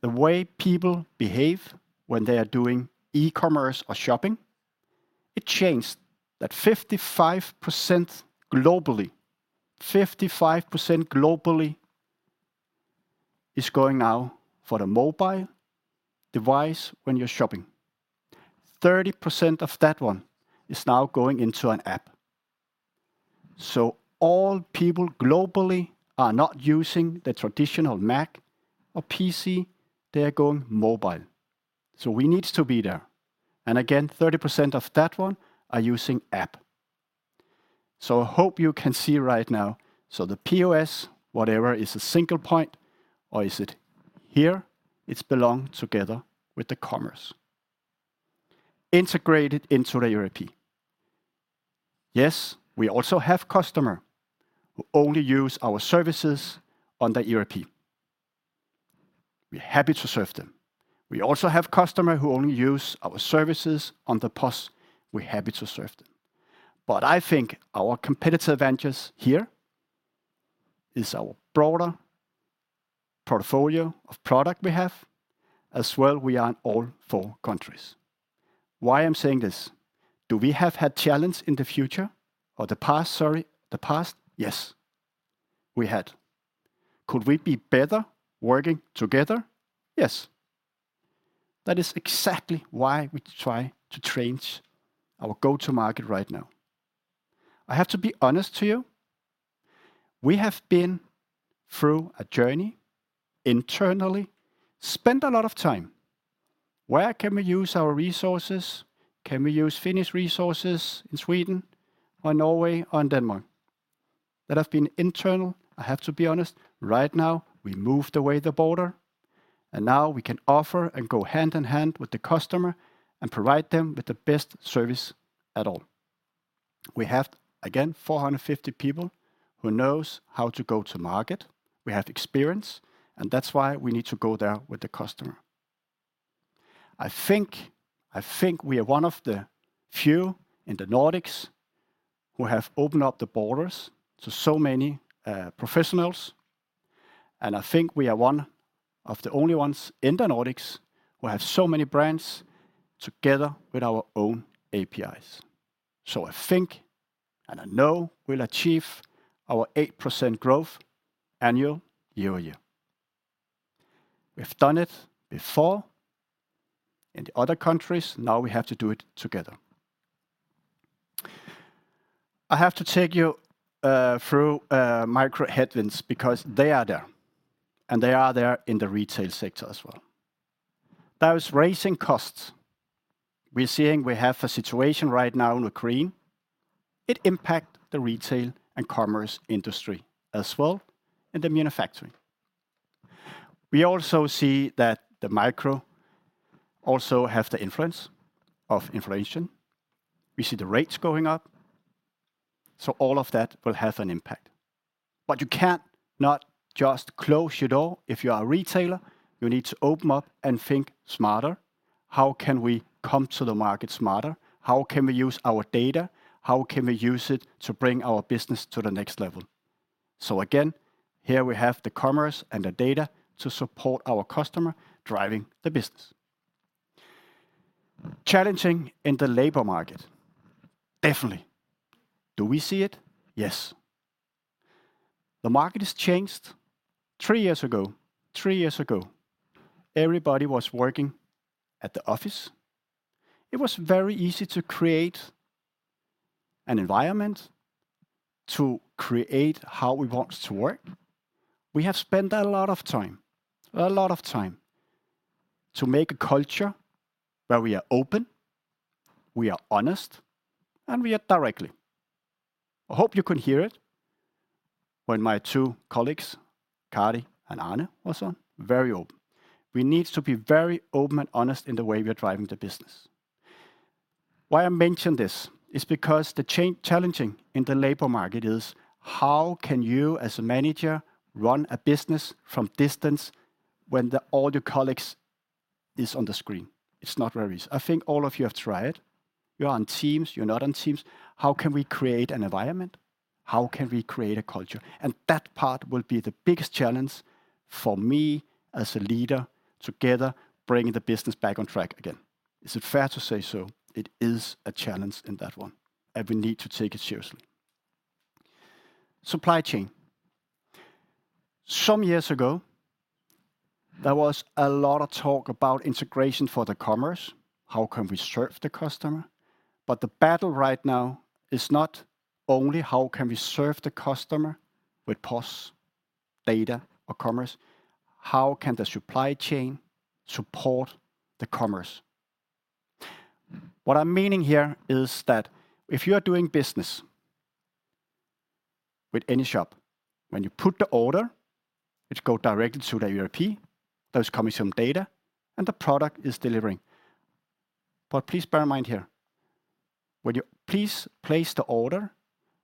the way people behave when they are doing e-commerce or shopping. It changed that 55% globally is going now for the mobile device when you're shopping. 30% of that one is now going into an app. All people globally are not using the traditional Mac or PC, they are going mobile. We need to be there. Again, 30% of that one are using app. I hope you can see right now. The POS, whatever is a single point or is it here, it's belong together with the commerce, integrated into the ERP. Yes, we also have customer who only use our services on the ERP. We're happy to serve them. We also have customer who only use our services on the POS. We're happy to serve them. I think our competitive advantage here is our broader portfolio of product we have, as well we are in all four countries. Why I'm saying this? Do we have had challenge in the future or the past, sorry, the past? Yes, we had. Could we be better working together? Yes. That is exactly why we try to change our go-to market right now. I have to be honest to you, we have been through a journey internally, spent a lot of time. Where can we use our resources? Can we use Finnish resources in Sweden or Norway or in Denmark? That have been internal, I have to be honest. Right now, we moved away the border, and now we can offer and go hand in hand with the customer and provide them with the best service at all. We have, again, 450 people who knows how to go to market. We have experience. That's why we need to go there with the customer. I think we are one of the few in the Nordics who have opened up the borders to so many professionals, and I think we are one of the only ones in the Nordics who have so many brands together with our own APIs. I think, and I know we'll achieve our 8% growth annual year-on-year. We've done it before in the other countries, now we have to do it together. I have to take you through micro headwinds because they are there, and they are there in the retail sector as well. Those rising costs, we're seeing we have a situation right now in Ukraine, it impact the retail and commerce industry as well, and the manufacturing. We also see that the micro also have the influence of inflation. We see the rates going up. All of that will have an impact. You can't not just close your door if you are a retailer, you need to open up and think smarter. How can we come to the market smarter? How can we use our data? How can we use it to bring our business to the next level? Again, here we have the commerce and the data to support our customer driving the business. Challenging in the labor market. Definitely. Do we see it? Yes. The market has changed three years ago, everybody was working at the office. It was very easy to create an environment to create how we want to work. We have spent a lot of time to make a culture where we are open, we are honest, and we are directly. I hope you can hear it when my two colleagues, Kari and Aarne, also very open. We need to be very open and honest in the way we are driving the business. Why I mention this is because the challenging in the labor market is how can you as a manager run a business from distance when the all your colleagues is on the screen? It's not very easy. I think all of you have tried. You are on Teams, you're not on Teams. How can we create an environment? How can we create a culture? That part will be the biggest challenge for me as a leader together, bringing the business back on track again. Is it fair to say so? It is a challenge in that one, and we need to take it seriously. Supply chain. Some years ago, there was a lot of talk about integration for the commerce. How can we serve the customer? The battle right now is not only how can we serve the customer with POS data or commerce, how can the supply chain support the commerce? What I'm meaning here is that if you are doing business with any shop, when you put the order, it go directly to the ERP. Those come with some data, and the product is delivering. Please bear in mind here, when you please place the order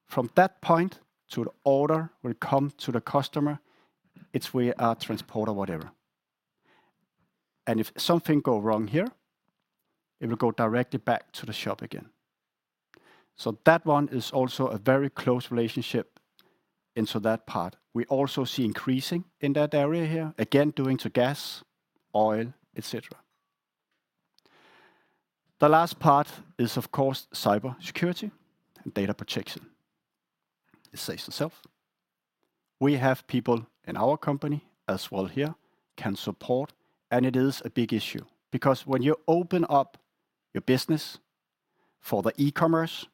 from that point to the order will come to the customer, it's via a transport or whatever. If something go wrong here, it will go directly back to the shop again. That one is also a very close relationship into that part. We also see increasing in that area here, again, due to gas, oil, et cetera. The last part is, of course, cybersecurity and data protection. It says itself, we have people in our company as well here can support, and it is a big issue because when you open up your business for the e-commerce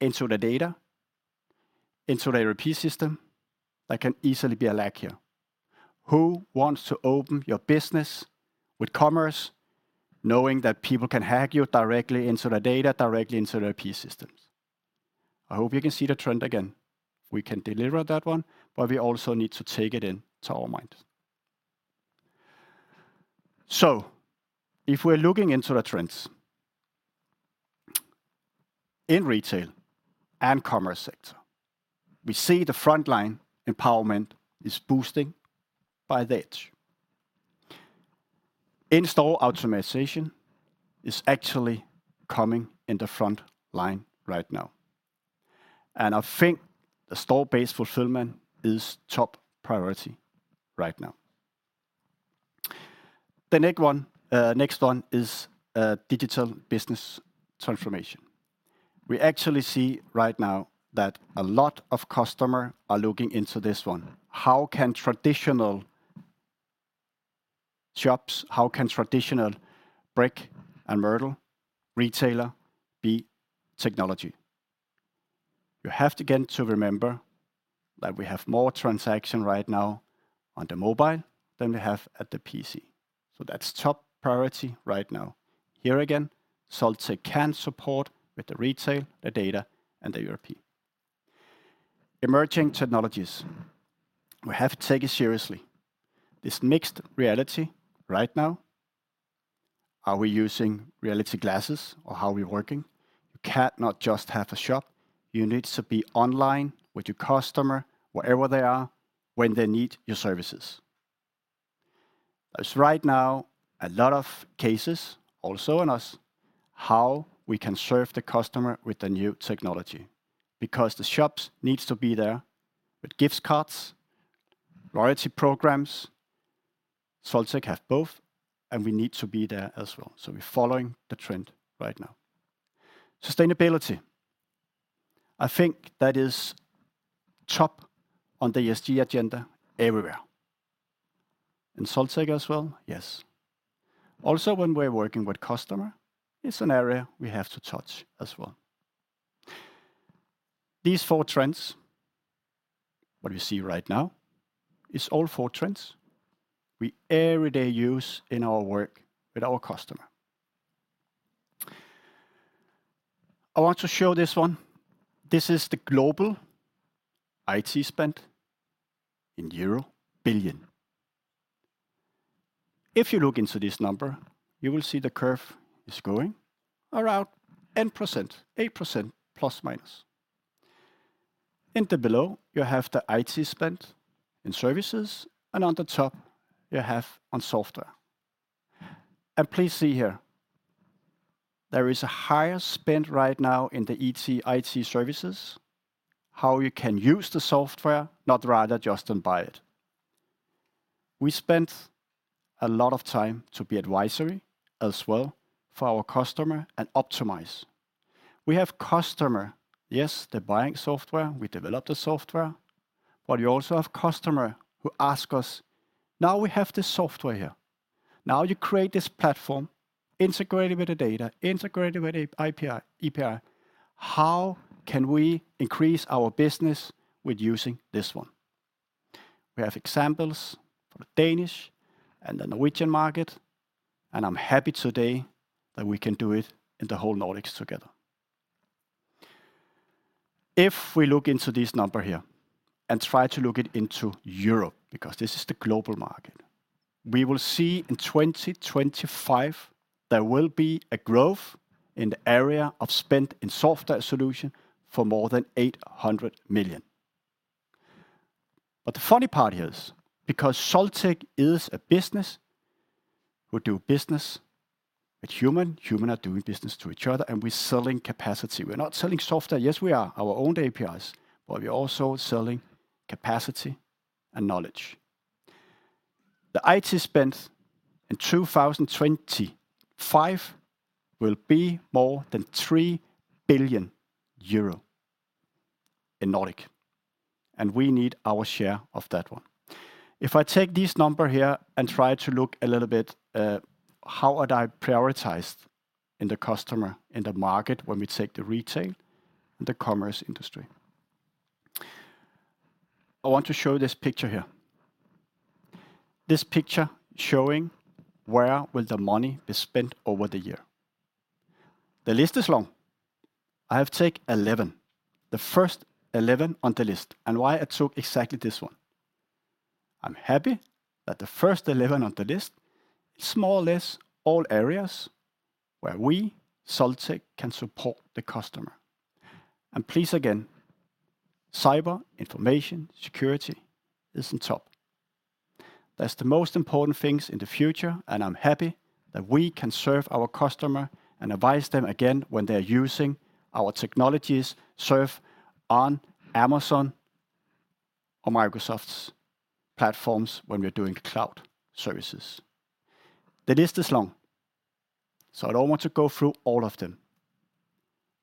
into the data, into the ERP system, there can easily be a lack here. Who wants to open your business with commerce knowing that people can hack you directly into the data, directly into the ERP systems? I hope you can see the trend again. We can deliver that one, but we also need to take it in to our mind. If we're looking into the trends in retail and commerce sector, we see the frontline empowerment is boosting by the edge. In-store automation is actually coming in the front line right now. I think the store-based fulfillment is top priority right now. The next one is digital business transformation. We actually see right now that a lot of customer are looking into this one. How can traditional shops, how can traditional brick and mortar retailer be technology? You have to get to remember that we have more transaction right now on the mobile than we have at the PC. That's top priority right now. Here again, Solteq can support with the retail, the data and the ERP. Emerging technologies. We have to take it seriously. This mixed reality right now, are we using reality glasses or how we working? You can't not just have a shop. You need to be online with your customer wherever they are when they need your services. There's right now a lot of cases also in us how we can serve the customer with the new technology because the shops needs to be there with gift cards, loyalty programs. Solteq have both, and we need to be there as well. We're following the trend right now. Sustainability. I think that is top on the ESG agenda everywhere. In Solteq as well, yes. Also, when we're working with customer, it's an area we have to touch as well. These four trends, what we see right now is all four trends we every day use in our work with our customer. I want to show this one. This is the global IT spend in euro billion. If you look into this number, you will see the curve is going around 10%, 8% plus minus. In the below, you have the IT spent in services, on the top you have on software. Please see here, there is a higher spend right now in the IT services, how you can use the software, not rather just buy it. We spent a lot of time to be advisory as well for our customer and optimize. We have customer, yes, they're buying software, we develop the software, but we also have customer who ask us, "Now we have the software here. Now you create this platform integrated with the data, integrated with API. How can we increase our business with using this one?" We have examples for the Danish and the Norwegian market, I'm happy today that we can do it in the whole Nordics together. If we look into this number here and try to look it into Europe, because this is the global market, we will see in 2025 there will be a growth in the area of spend in software solution for more than 800 million. The funny part is because Solteq is a business who do business with human, are doing business to each other, and we're selling capacity. We're not selling software. Yes, we are our own APIs, but we're also selling capacity and knowledge. The IT spend in 2025 will be more than 3 billion euro in Nordic, and we need our share of that one. If I take this number here and try to look a little bit, how would I prioritize in the customer, in the market when we take the retail and the commerce industry? I want to show this picture here. This picture showing where will the money be spent over the year. The list is long. I have take 11, the first 11 on the list, and why I took exactly this one. I'm happy that the first 11 on the list is more or less all areas where we, Solteq, can support the customer. Please again, cyber information security is on top. That's the most important things in the future, I'm happy that we can serve our customer and advise them again when they're using our technologies, serve on Amazon or Microsoft's platforms when we're doing cloud services. The list is long, I don't want to go through all of them,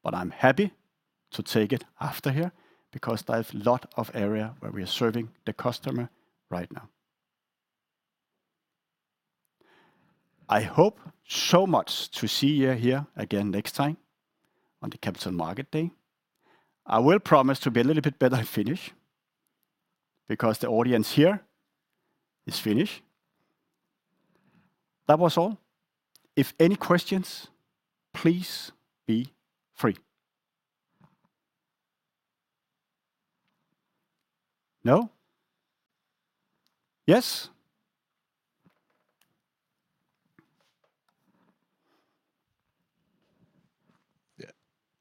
but I'm happy to take it after here because there is a lot of area where we are serving the customer right now. I hope so much to see you here again next time on the Capital Market Day. I will promise to be a little bit better in Finnish because the audience here is Finnish. That was all. If any questions, please be free. No? Yes? Yeah.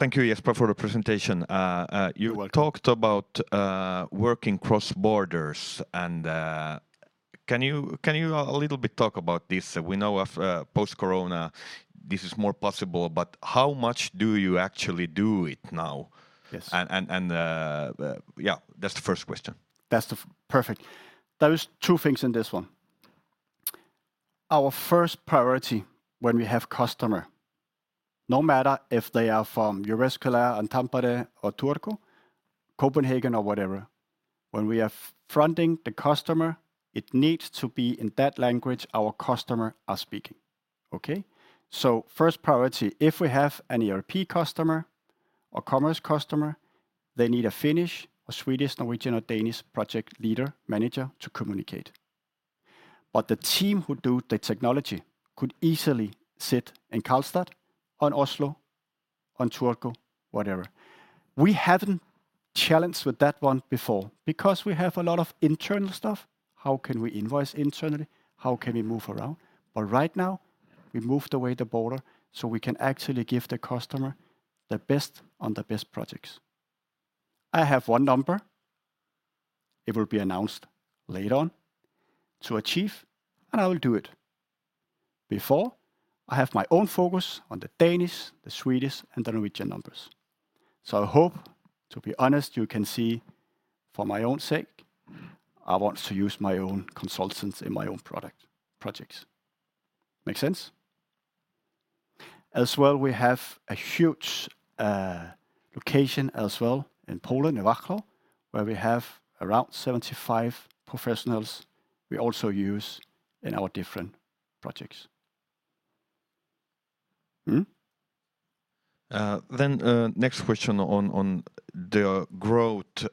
Thank you, Jesper, for the presentation. You're welcome. You talked about working cross-borders, and can you a little bit talk about this? We know of post-corona this is more possible, but how much do you actually do it now? Yes. Yeah, that's the first question. That's Perfect. There is 2 things in this one. Our first priority when we have customer, no matter if they are from Jyväskylä and Tampere or Turku, Copenhagen or whatever, when we are fronting the customer, it needs to be in that language our customer are speaking, okay? First priority, if we have an ERP customer or commerce customer, they need a Finnish or Swedish, Norwegian or Danish project leader, manager to communicate. The team who do the technology could easily sit in Karlstad or in Oslo, in Turku, whatever. We haven't challenged with that one before because we have a lot of internal stuff. How can we invoice internally? How can we move around? Right now, we moved away the border, we can actually give the customer the best on the best projects. I have one number, it will be announced later on, to achieve. I will do it. Before, I have my own focus on the Danish, the Swedish and the Norwegian numbers. I hope, to be honest, you can see for my own sake, I want to use my own consultants in my own projects. Make sense? As well, we have a huge location as well in Poland, in Wrocław, where we have around 75 professionals we also use in our different projects. Next question on the growth.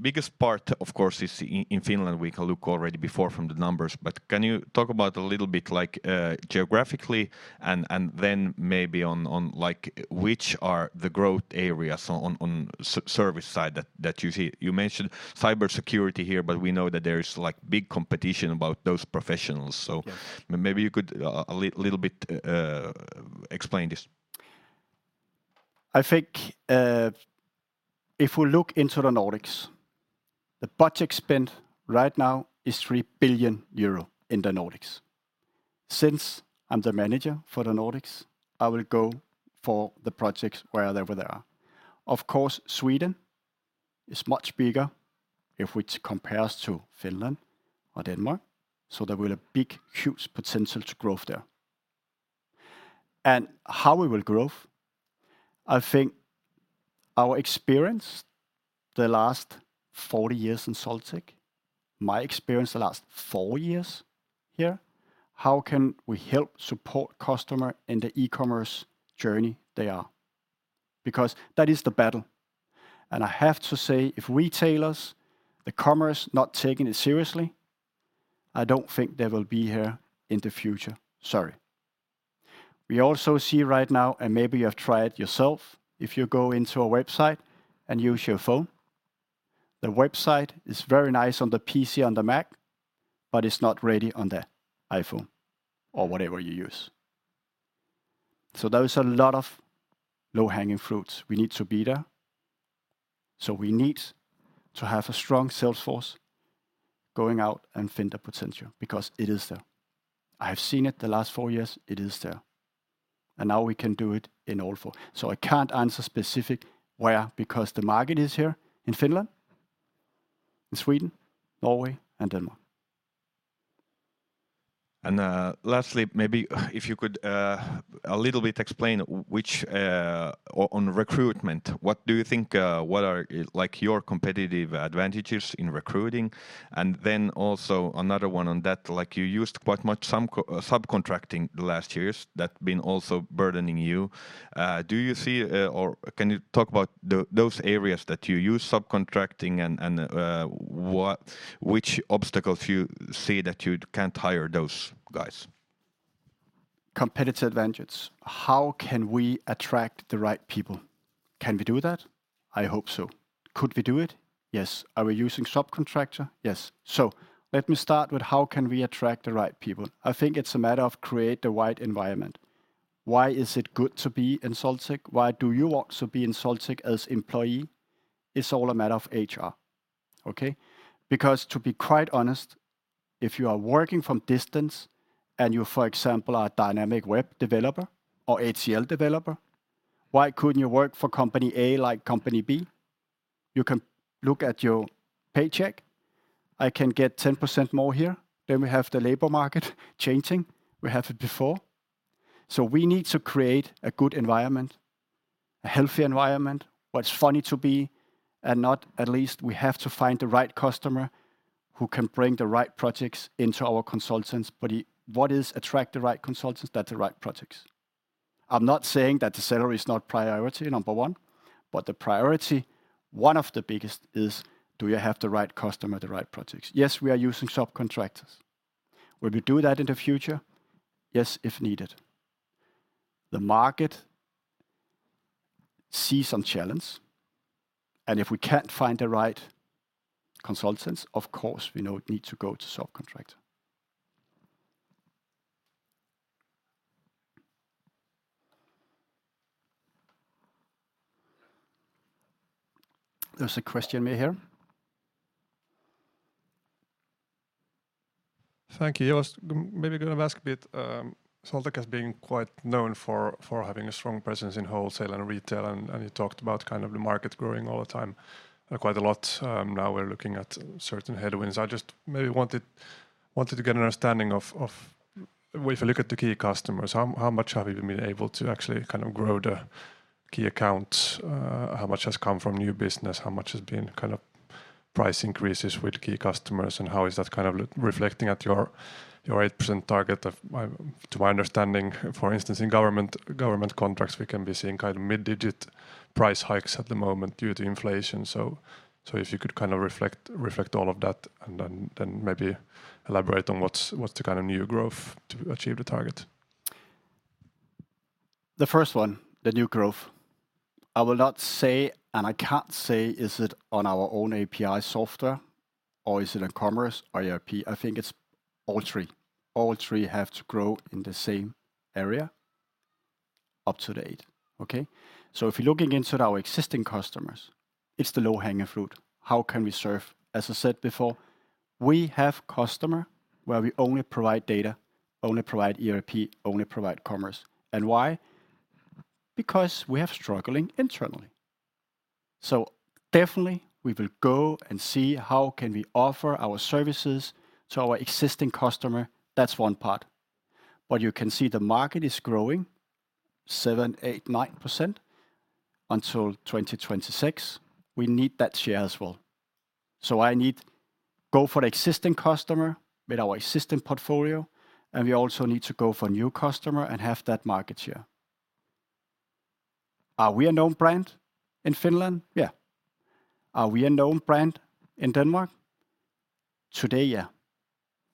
Biggest part, of course, is in Finland, we can look already before from the numbers. But can you talk about a little bit like geographically and then maybe on like which are the growth areas on service side that you see? You mentioned cybersecurity here, but we know that there is like big competition about those professionals so- Yes. Maybe you could a little bit explain this. I think, if we look into the Nordics, the budget spent right now is 3 billion euro in the Nordics. Since I'm the manager for the Nordics, I will go for the projects wherever they are. Of course, Sweden is much bigger if we compare to Finland or Denmark, so there will a big huge potential to growth there. How we will growth? I think our experience the last 40 years in Solteq, my experience the last four years here, how can we help support customer in the e-commerce journey they are? Because that is the battle. I have to say, if retailers, the commerce not taking it seriously, I don't think they will be here in the future. Sorry. We also see right now, maybe you have tried yourself, if you go into a website and use your phone, the website is very nice on the PC, on the Mac, but it's not ready on the iPhone or whatever you use. There is a lot of low-hanging fruits. We need to be there, we need to have a strong sales force going out and find the potential because it is there. I have seen it the last four years. It is there, now we can do it in all four. I can't answer specific where, because the market is here in Finland, in Sweden, Norway, and Denmark. Lastly, maybe if you could a little bit explain on recruitment, what do you think, what are, like, your competitive advantages in recruiting? Also another one on that, like, you used quite much some subcontracting the last years that been also burdening you. Do you see, or can you talk about those areas that you use subcontracting and which obstacles you see that you can't hire those guys? Competitive advantage. How can we attract the right people? Can we do that? I hope so. Could we do it? Yes. Are we using subcontractor? Yes. Let me start with how can we attract the right people. I think it's a matter of create the right environment. Why is it good to be in Solteq? Why do you want to be in Solteq as employee? It's all a matter of HR, okay? Because to be quite honest, if you are working from distance and you, for example, are a dynamic web developer or HCL developer, why couldn't you work for company A like company B? You can look at your paycheck. I can get 10% more here than we have the labor market changing. We have it before. We need to create a good environment, a healthy environment where it's funny to be, and not at least we have to find the right customer who can bring the right projects into our consultants. What is attract the right consultants? That the right projects. I'm not saying that the salary is not priority number one, but the priority, one of the biggest is, do you have the right customer, the right projects? Yes, we are using subcontractors. Will we do that in the future? Yes, if needed. The market see some challenge, if we can't find the right consultants, of course we know it need to go to subcontract. There's a question maybe here. Thank you. I was maybe gonna ask a bit, Solteq has been quite known for having a strong presence in wholesale and retail and you talked about kind of the market growing all the time, quite a lot. Now we're looking at certain headwinds. I just maybe wanted to get an understanding of if you look at the key customers, how much have you been able to actually kind of grow the key accounts? How much has come from new business? How much has been kind of price increases with key customers? How is that kind of reflecting at your 8% target of to my understanding, for instance, in government contracts, we can be seeing kind of mid-digit price hikes at the moment due to inflation. So if you could kind of reflect all of that and then maybe elaborate on what's the kind of new growth to achieve the target. The first one, the new growth. I will not say, and I can't say, is it on our own API software or is it in commerce or ERP? I think it's all three. All three have to grow in the same area up to the 8%, okay? If you're looking into our existing customers, it's the low-hanging fruit. How can we serve? As I said before, we have customer where we only provide data, only provide ERP, only provide commerce. Why? Because we have struggling internally. Definitely we will go and see how can we offer our services to our existing customer. That's one part. You can see the market is growing 7%, 8%, 9% until 2026. We need that share as well. I need go for the existing customer with our existing portfolio, we also need to go for new customer and have that market share. Are we a known brand in Finland? Yeah. Are we a known brand in Denmark? Today, yeah.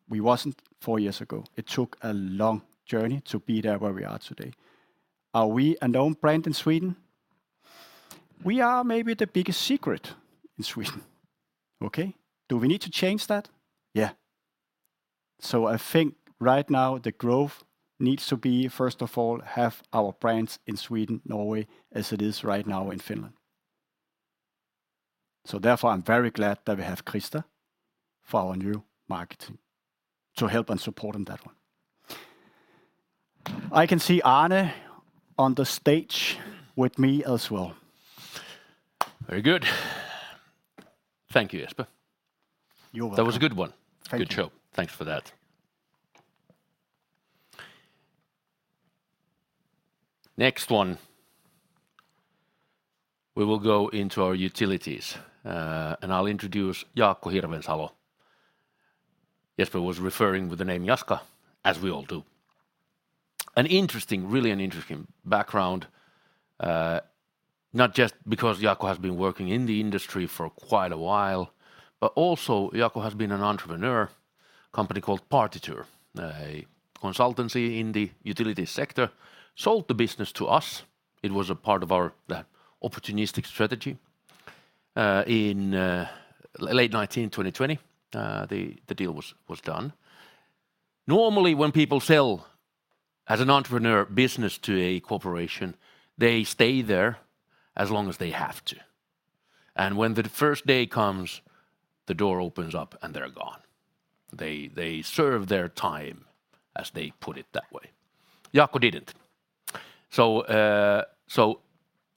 We wasn't four years ago. It took a long journey to be there where we are today. Are we a known brand in Sweden? We are maybe the biggest secret in Sweden. Okay? Do we need to change that? Yeah. I think right now the growth needs to be, first of all, have our brands in Sweden, Norway, as it is right now in Finland. Therefore, I'm very glad that we have Christa for our new marketing to help and support on that one. I can see Aarne on the stage with me as well. Very good. Thank you, Jesper. You're welcome. That was a good one. Thank you. Good show. Thanks for that. Next one, we will go into our utilities, and I'll introduce Jaakko Hirvensalo. Jesper was referring with the name Jaska, as we all do. An interesting, really an interesting background, not just because Jaakko has been working in the industry for quite a while, but also Jaakko has been an entrepreneur, company called Partitur, a consultancy in the utility sector. Sold the business to us. It was a part of our, that opportunistic strategy. In late 2020, the deal was done. Normally, when people sell, as an entrepreneur, business to a corporation, they stay there as long as they have to. When the first day comes, the door opens up, and they're gone. They, they serve their time, as they put it that way. Jaakko didn't.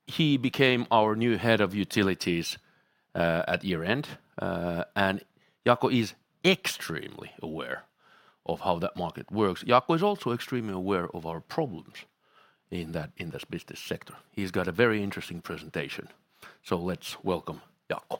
He became our new head of utilities at year-end. Jaakko is extremely aware of how that market works. Jaakko is also extremely aware of our problems in that, in this business sector. He's got a very interesting presentation. Let's welcome Jaakko.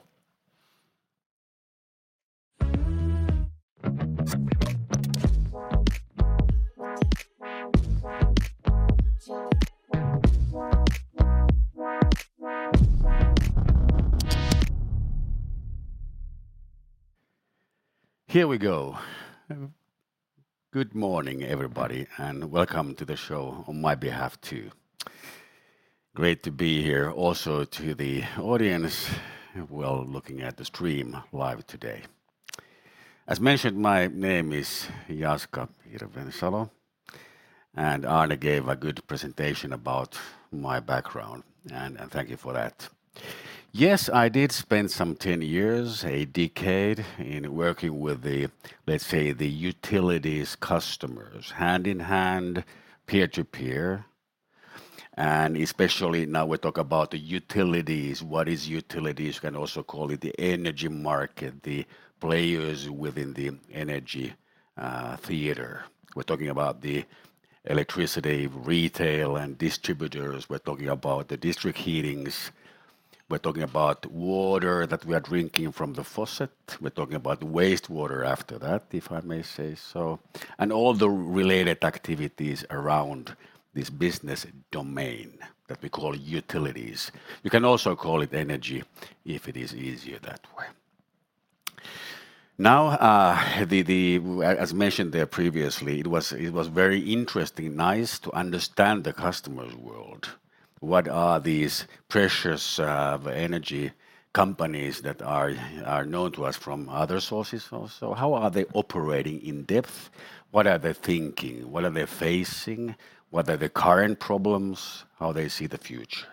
Here we go. Good morning, everybody, and welcome to the show on my behalf too. Great to be here also to the audience, well, looking at the stream live today. As mentioned, my name is Jaska Hirvensalo, and Aarne gave a good presentation about my background, and thank you for that. Yes, I did spend some 10 years, a decade, in working with the, let's say, the utilities customers, hand in hand, peer to peer. Especially now we talk about the utilities. What is utilities? You can also call it the energy market, the players within the energy theater. We're talking about the electricity retail and distributors. We're talking about the district heatings. We're talking about water that we are drinking from the faucet. We're talking about wastewater after that, if I may say so, and all the related activities around this business domain that we call utilities. You can also call it energy if it is easier that way. Now, as mentioned there previously, it was very interesting, nice to understand the customer's world. What are these precious energy companies that are known to us from other sources also? How are they operating in depth? What are they thinking? What are they facing? What are the current problems? How they see the future.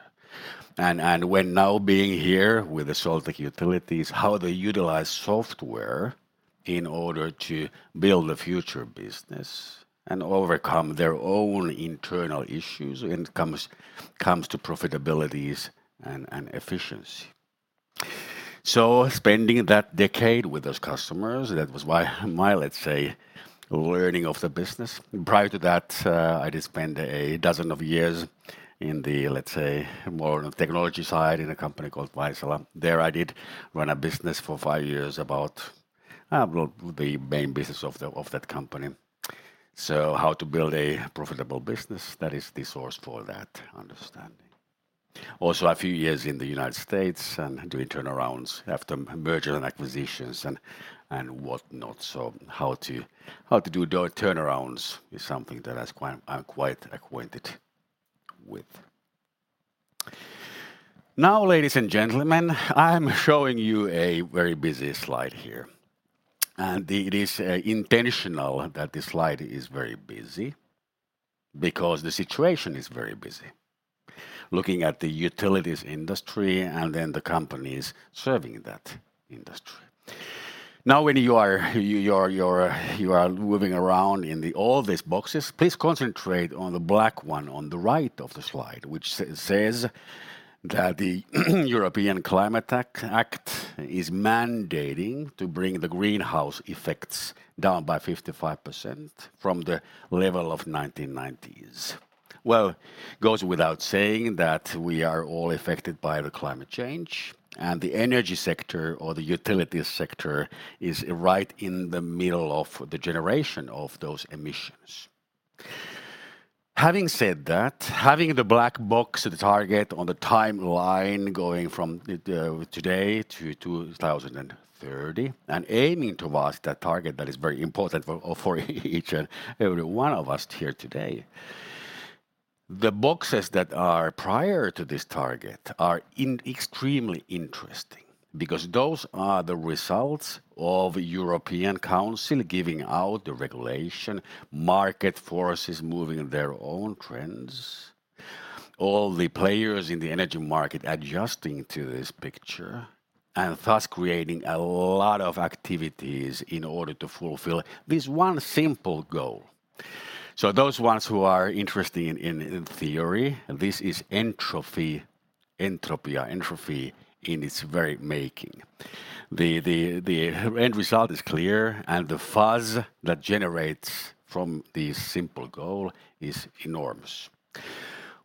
And when now being here with the Solteq Utilities, how they utilize software in order to build a future business and overcome their own internal issues when it comes to profitabilities and efficiency. Spending that decade with those customers, that was my, let's say, learning of the business. Prior to that, I did spend a dozen of years in the, let's say, more on the technology side in a company called Vaisala. There I did run a business for five years about, well, the main business of that company. How to build a profitable business, that is the source for that understanding. Also a few years in the U.S. and doing turnarounds after mergers and acquisitions and whatnot. How to do turnarounds is something that I'm quite acquainted with. Ladies and gentlemen, I'm showing you a very busy slide here. It is intentional that this slide is very busy because the situation is very busy looking at the utilities industry and then the companies serving that industry. When you are moving around in all these boxes, please concentrate on the black one on the right of the slide, which says that the European Climate Act is mandating to bring the greenhouse effects down by 55% from the level of 1990s. It goes without saying that we are all affected by the climate change and the energy sector or the utilities sector is right in the middle of the generation of those emissions. Having said that, having the black box, the target on the timeline going from today to 2030 and aiming towards that target that is very important for each and every one of us here today. The boxes that are prior to this target are extremely interesting because those are the results of European Council giving out the regulation, market forces moving their own trends, all the players in the energy market adjusting to this picture, and thus creating a lot of activities in order to fulfill this one simple goal. Those ones who are interested in theory, this is entropy, entropia, entropy in its very making. The end result is clear, and the fuzz that generates from this simple goal is enormous.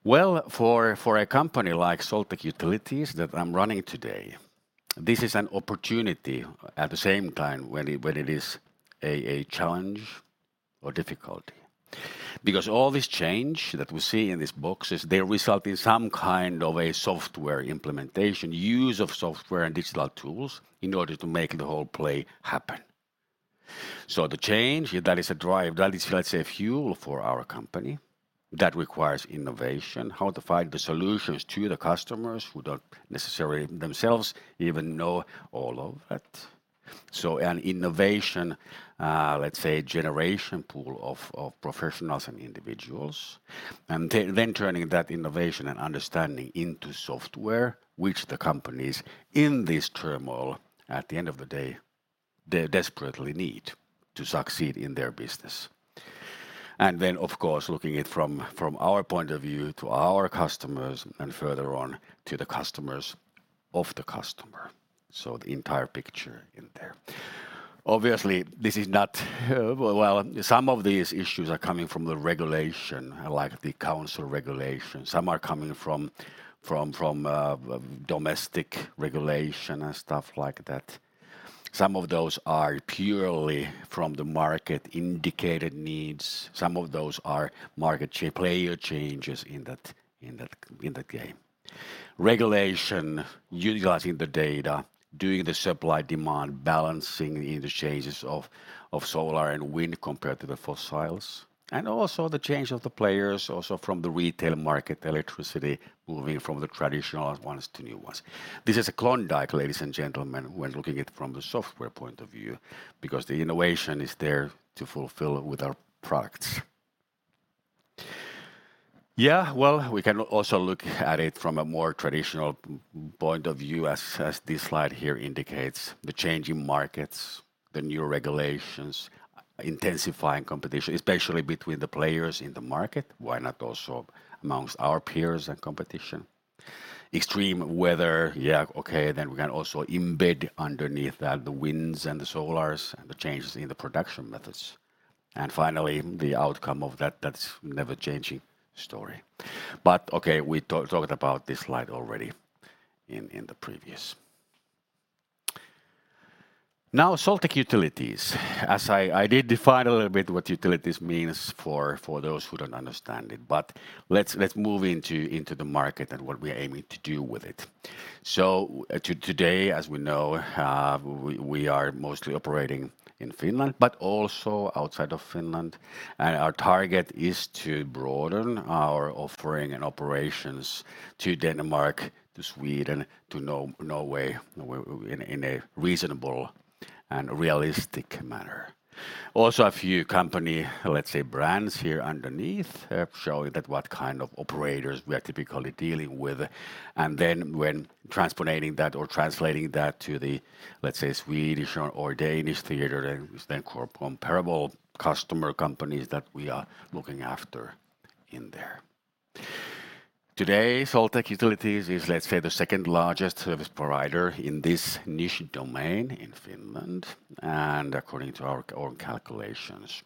Well, for a company like Solteq Utilities that I'm running today, this is an opportunity at the same time when it is a challenge or difficulty. All this change that we see in these boxes, they result in some kind of a software implementation, use of software and digital tools in order to make the whole play happen. The change, that is a drive, that is, let's say, fuel for our company. That requires innovation, how to find the solutions to the customers who don't necessarily themselves even know all of that. An innovation, let's say, generation pool of professionals and individuals, and then turning that innovation and understanding into software, which the companies in this turmoil, at the end of the day, they desperately need to succeed in their business. Then, of course, looking it from our point of view to our customers and further on to the customers of the customer, so the entire picture in there. Obviously, this is not. Well, some of these issues are coming from the regulation, like the council regulation. Some are coming from domestic regulation and stuff like that. Some of those are purely from the market-indicated needs. Some of those are market player changes in that game. Regulation, utilizing the data, doing the supply-demand, balancing the exchanges of solar and wind compared to the fossils, and also the change of the players also from the retail market, electricity moving from the traditional ones to new ones. This is a Klondike, ladies and gentlemen, when looking it from the software point of view, because the innovation is there to fulfill with our products. Yeah, well, we can also look at it from a more traditional point of view as this slide here indicates. The changing markets, the new regulations, intensifying competition, especially between the players in the market. Why not also amongst our peers and competition? Extreme weather, yeah, okay, then we can also embed underneath that the winds and the solars and the changes in the production methods. Finally, the outcome of that's never changing story. Okay, we talked about this slide already in the previous. Now, Solteq Utilities. As I did define a little bit what utilities means for those who don't understand it. Let's move into the market and what we're aiming to do with it. Today, as we know, we are mostly operating in Finland, but also outside of Finland. Our target is to broaden our offering and operations to Denmark, to Sweden, to Norway in a reasonable and realistic manner. Also, a few company, let's say, brands here underneath, showing that what kind of operators we are typically dealing with. When transponating that or translating that to the, let's say, Swedish or Danish theater, then comparable customer companies that we are looking after in there. Today, Solteq Utilities is, let's say, the second-largest service provider in this niche domain in Finland and according to our own calculations.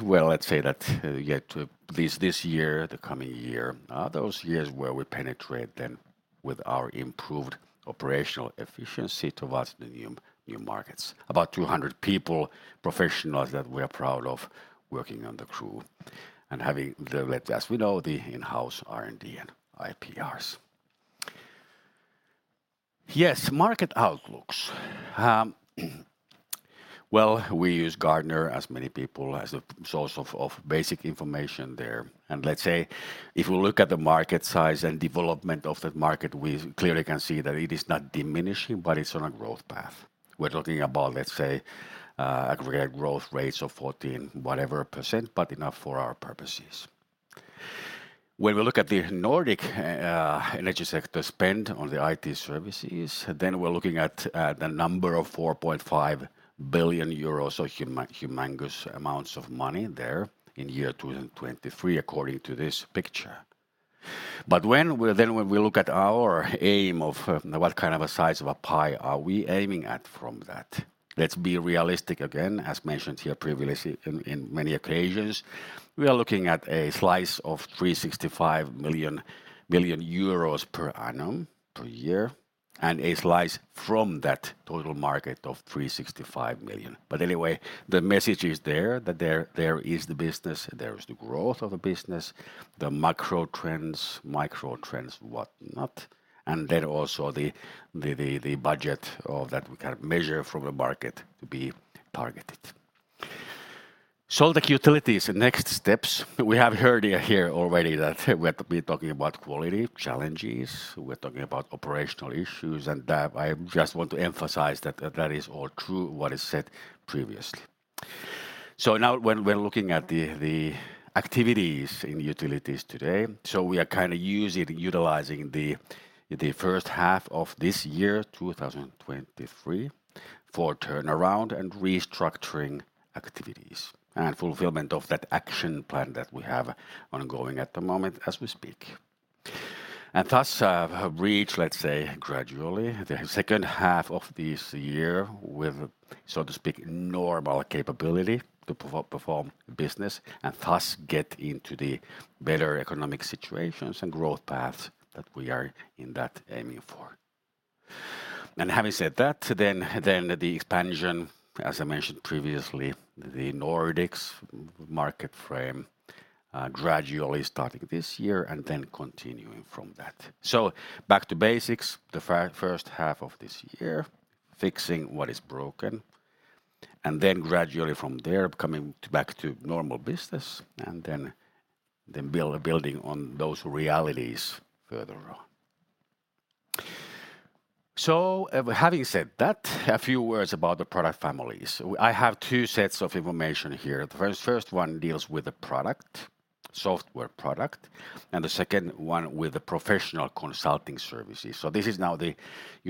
Well, let's say that, yeah, to this year, the coming year, those years where we penetrate then with our improved operational efficiency towards the new markets. About 200 people, professionals that we are proud of working on the crew and having the, like, as we know, the in-house R&D and IPRs. Yes, market outlooks. Well, we use Gartner, as many people, as a source of basic information there. Let's say if we look at the market size and development of that market, we clearly can see that it is not diminishing, but it's on a growth path. We're talking about, let's say, aggregate growth rates of 14% whatever, but enough for our purposes. When we look at the Nordic energy sector spend on the IT services, we're looking at the number of 4.5 billion euros, so humongous amounts of money there in year 2023 according to this picture. When we look at our aim of what kind of a size of a pie are we aiming at from that, let's be realistic again, as mentioned here previously in many occasions. We are looking at a slice of 365 million per annum, per year, and a slice from that total market of 365 million. Anyway, the message is there, that there is the business, there is the growth of the business, the macro trends, micro trends, whatnot, and also the budget of that we can measure from the market to be targeted. Solteq Utilities, next steps. We have heard here already that we have to be talking about quality challenges, we're talking about operational issues, and I just want to emphasize that that is all true what is said previously. Now when we're looking at the activities in utilities today, so we are kind of utilizing the first half of this year, 2023, for turnaround and restructuring activities and fulfillment of that action plan that we have ongoing at the moment as we speak. Thus, have reached, let's say gradually, the second half of this year with, so to speak, normal capability to perform business and thus get into the better economic situations and growth paths that we are in that aiming for. Having said that, then the expansion, as I mentioned previously, the Nordics market frame, gradually starting this year and then continuing from that. Back to basics, the first half of this year, fixing what is broken, and then gradually from there, coming back to normal business and then building on those realities further on. Having said that, a few words about the product families. I have two sets of information here. The first one deals with the product, software product, and the second one with the professional consulting services. This is now the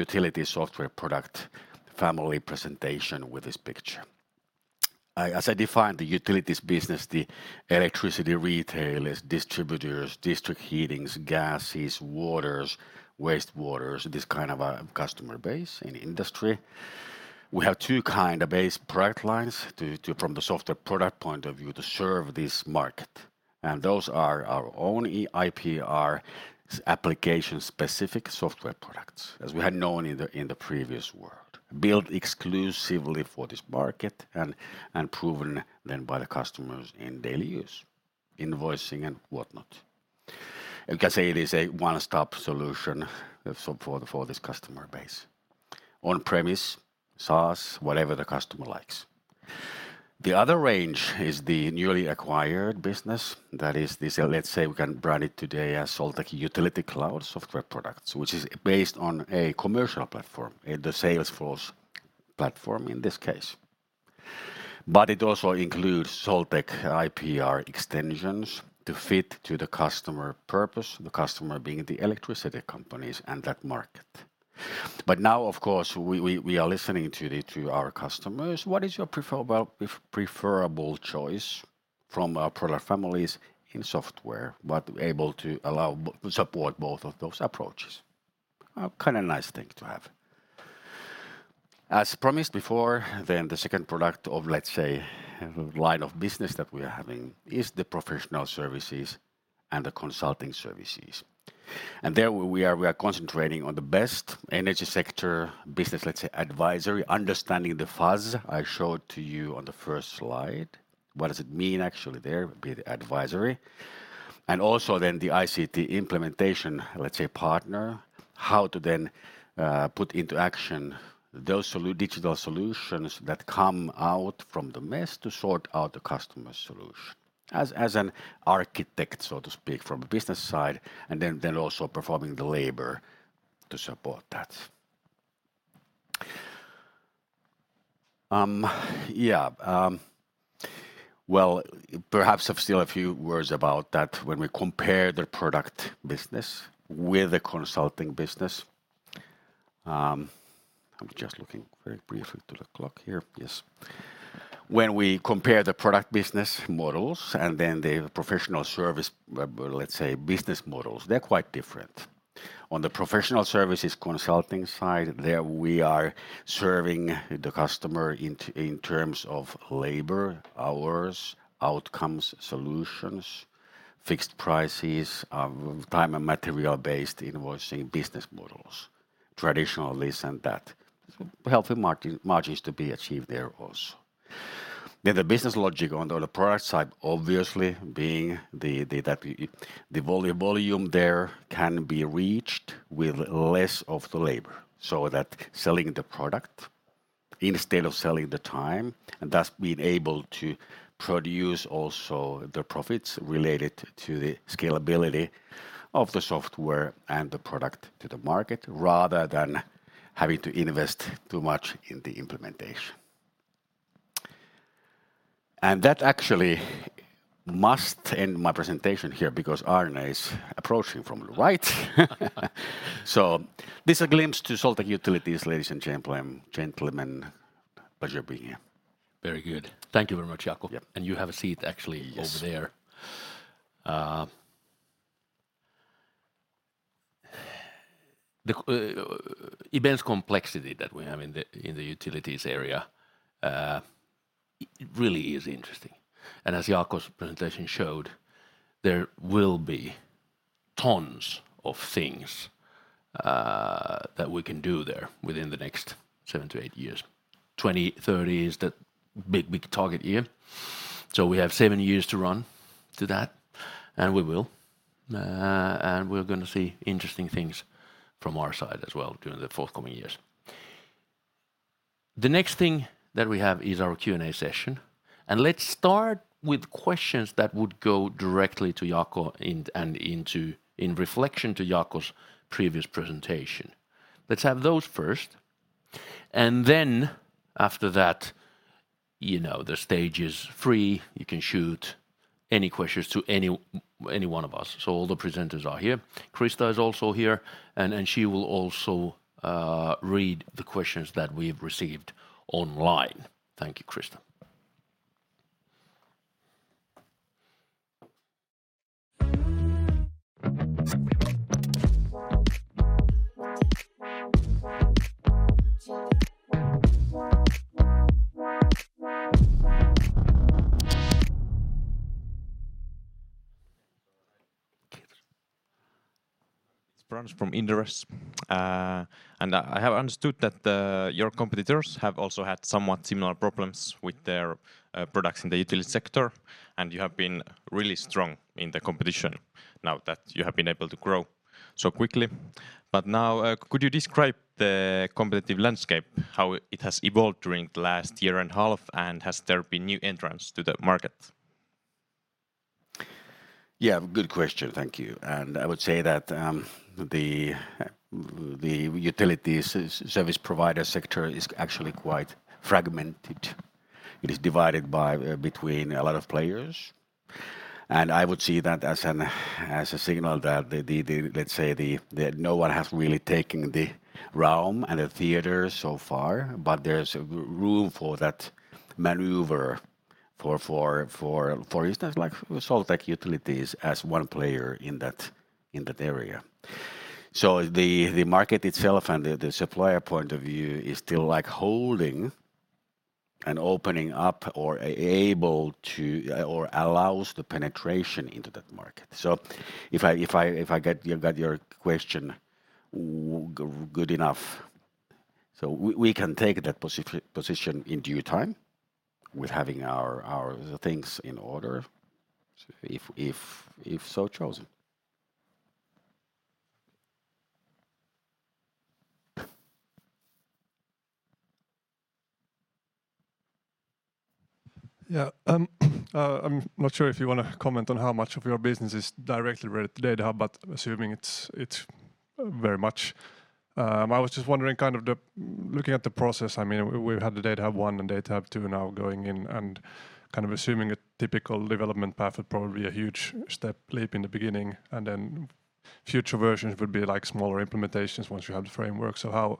utility software product family presentation with this picture. I, as I defined the utilities business, the electricity retailers, distributors, district heatings, gases, waters, waste waters, this kind of a customer base in industry. We have two kind of base product lines to... from the software product point of view to serve this market. Those are our own IPR application-specific software products, as we had known in the, in the previous world, built exclusively for this market and proven then by the customers in daily use, invoicing and whatnot. You can say it is a one-stop solution, so for the, for this customer base. On-premise, SaaS, whatever the customer likes. The other range is the newly acquired business that is this, let's say, we can brand it today as Solteq Utility Cloud software products, which is based on a commercial platform, the Salesforce platform in this case. It also includes Solteq IPR extensions to fit to the customer purpose, the customer being the electricity companies and that market. Now, of course, we are listening to the, to our customers. What is your preferable choice from our product families in software, but able to allow support both of those approaches? A kind of nice thing to have. As promised before, the second product of, let's say, line of business that we are having is the professional services and the consulting services. There we are, we are concentrating on the best energy sector business, let's say, advisory, understanding the fuzz I showed to you on the first slide. What does it mean actually there, the advisory? Also the ICT implementation, let's say, partner, how to then put into action those digital solutions that come out from the mess to sort out the customer solution. As an architect, so to speak, from a business side, and then also performing the labor to support that. Yeah. Well, perhaps I've still a few words about that when we compare the product business with the consulting business. I'm just looking very briefly to the clock here. Yes. When we compare the product business models and then the professional service, let's say, business models, they're quite different. On the professional services consulting side, there we are serving the customer in terms of labor hours, outcomes, solutions, fixed prices, time and material-based invoicing business models. Traditionally, it's done that. Healthy margins to be achieved there also. The business logic on the product side, obviously, being the, that, the volume there can be reached with less of the labor, so that selling the product instead of selling the time, and thus being able to produce also the profits related to the scalability of the software and the product to the market, rather than having to invest too much in the implementation. That actually must end my presentation here because Aarne is approaching from the right. This is a glimpse to Solteq Utilities, ladies and gentlemen. Pleasure being here. Very good. Thank you very much, Jaakko. Yep. You have a seat actually. Yes Over there. The immense complexity that we have in the Utilities area, it really is interesting. As Jaakko's presentation showed, there will be tons of things, that we can do there within the next 7 to eight years. 2030 is the big, big target year. We have seven years to run to that. We will. We're going to see interesting things from our side as well during the forthcoming years. The next thing that we have is our Q&A session, and let's start with questions that would go directly to Jaakko in reflection to Jaakko's previous presentation. Let's have those first. Then after that, you know, the stage is free. You can shoot any questions to any one of us. All the presenters are here. Christa is also here, and she will also read the questions that we have received online. Thank you, Christa. It's Branch from Inderes. I have understood that your competitors have also had somewhat similar problems with their products in the utility sector, and you have been really strong in the competition now that you have been able to grow so quickly. Now, could you describe the competitive landscape, how it has evolved during the last year and half, and has there been new entrants to the market? Yeah, good question. Thank you. I would say that the utility service provider sector is actually quite fragmented. It is divided by between a lot of players. I would see that as a signal that no one has really taken the realm and the theater so far, but there's room for that maneuver for instance, like Solteq Utilities as one player in that, in that area. The market itself and the supplier point of view is still like holding and opening up or able to, or allows the penetration into that market. If I get, yeah, got your question good enough, we can take that position in due time with having our things in order if so chosen. Yeah. I'm not sure if you wanna comment on how much of your business is directly related to Datahub, but assuming it's very much, I was just wondering kind of the, looking at the process, I mean, we've had the Datahub 1 and Datahub 2 now going in. Kind of assuming a typical development path would probably be a huge step, leap in the beginning, and then future versions would be like smaller implementations once you have the framework. How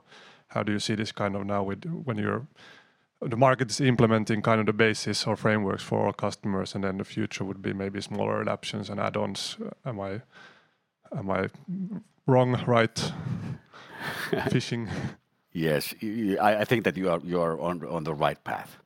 do you see this kind of now with the market's implementing kind of the basis or frameworks for our customers, and then the future would be maybe smaller adoptions and add-ons? Am I wrong, right fishing? Yes. I think that you are on the right path.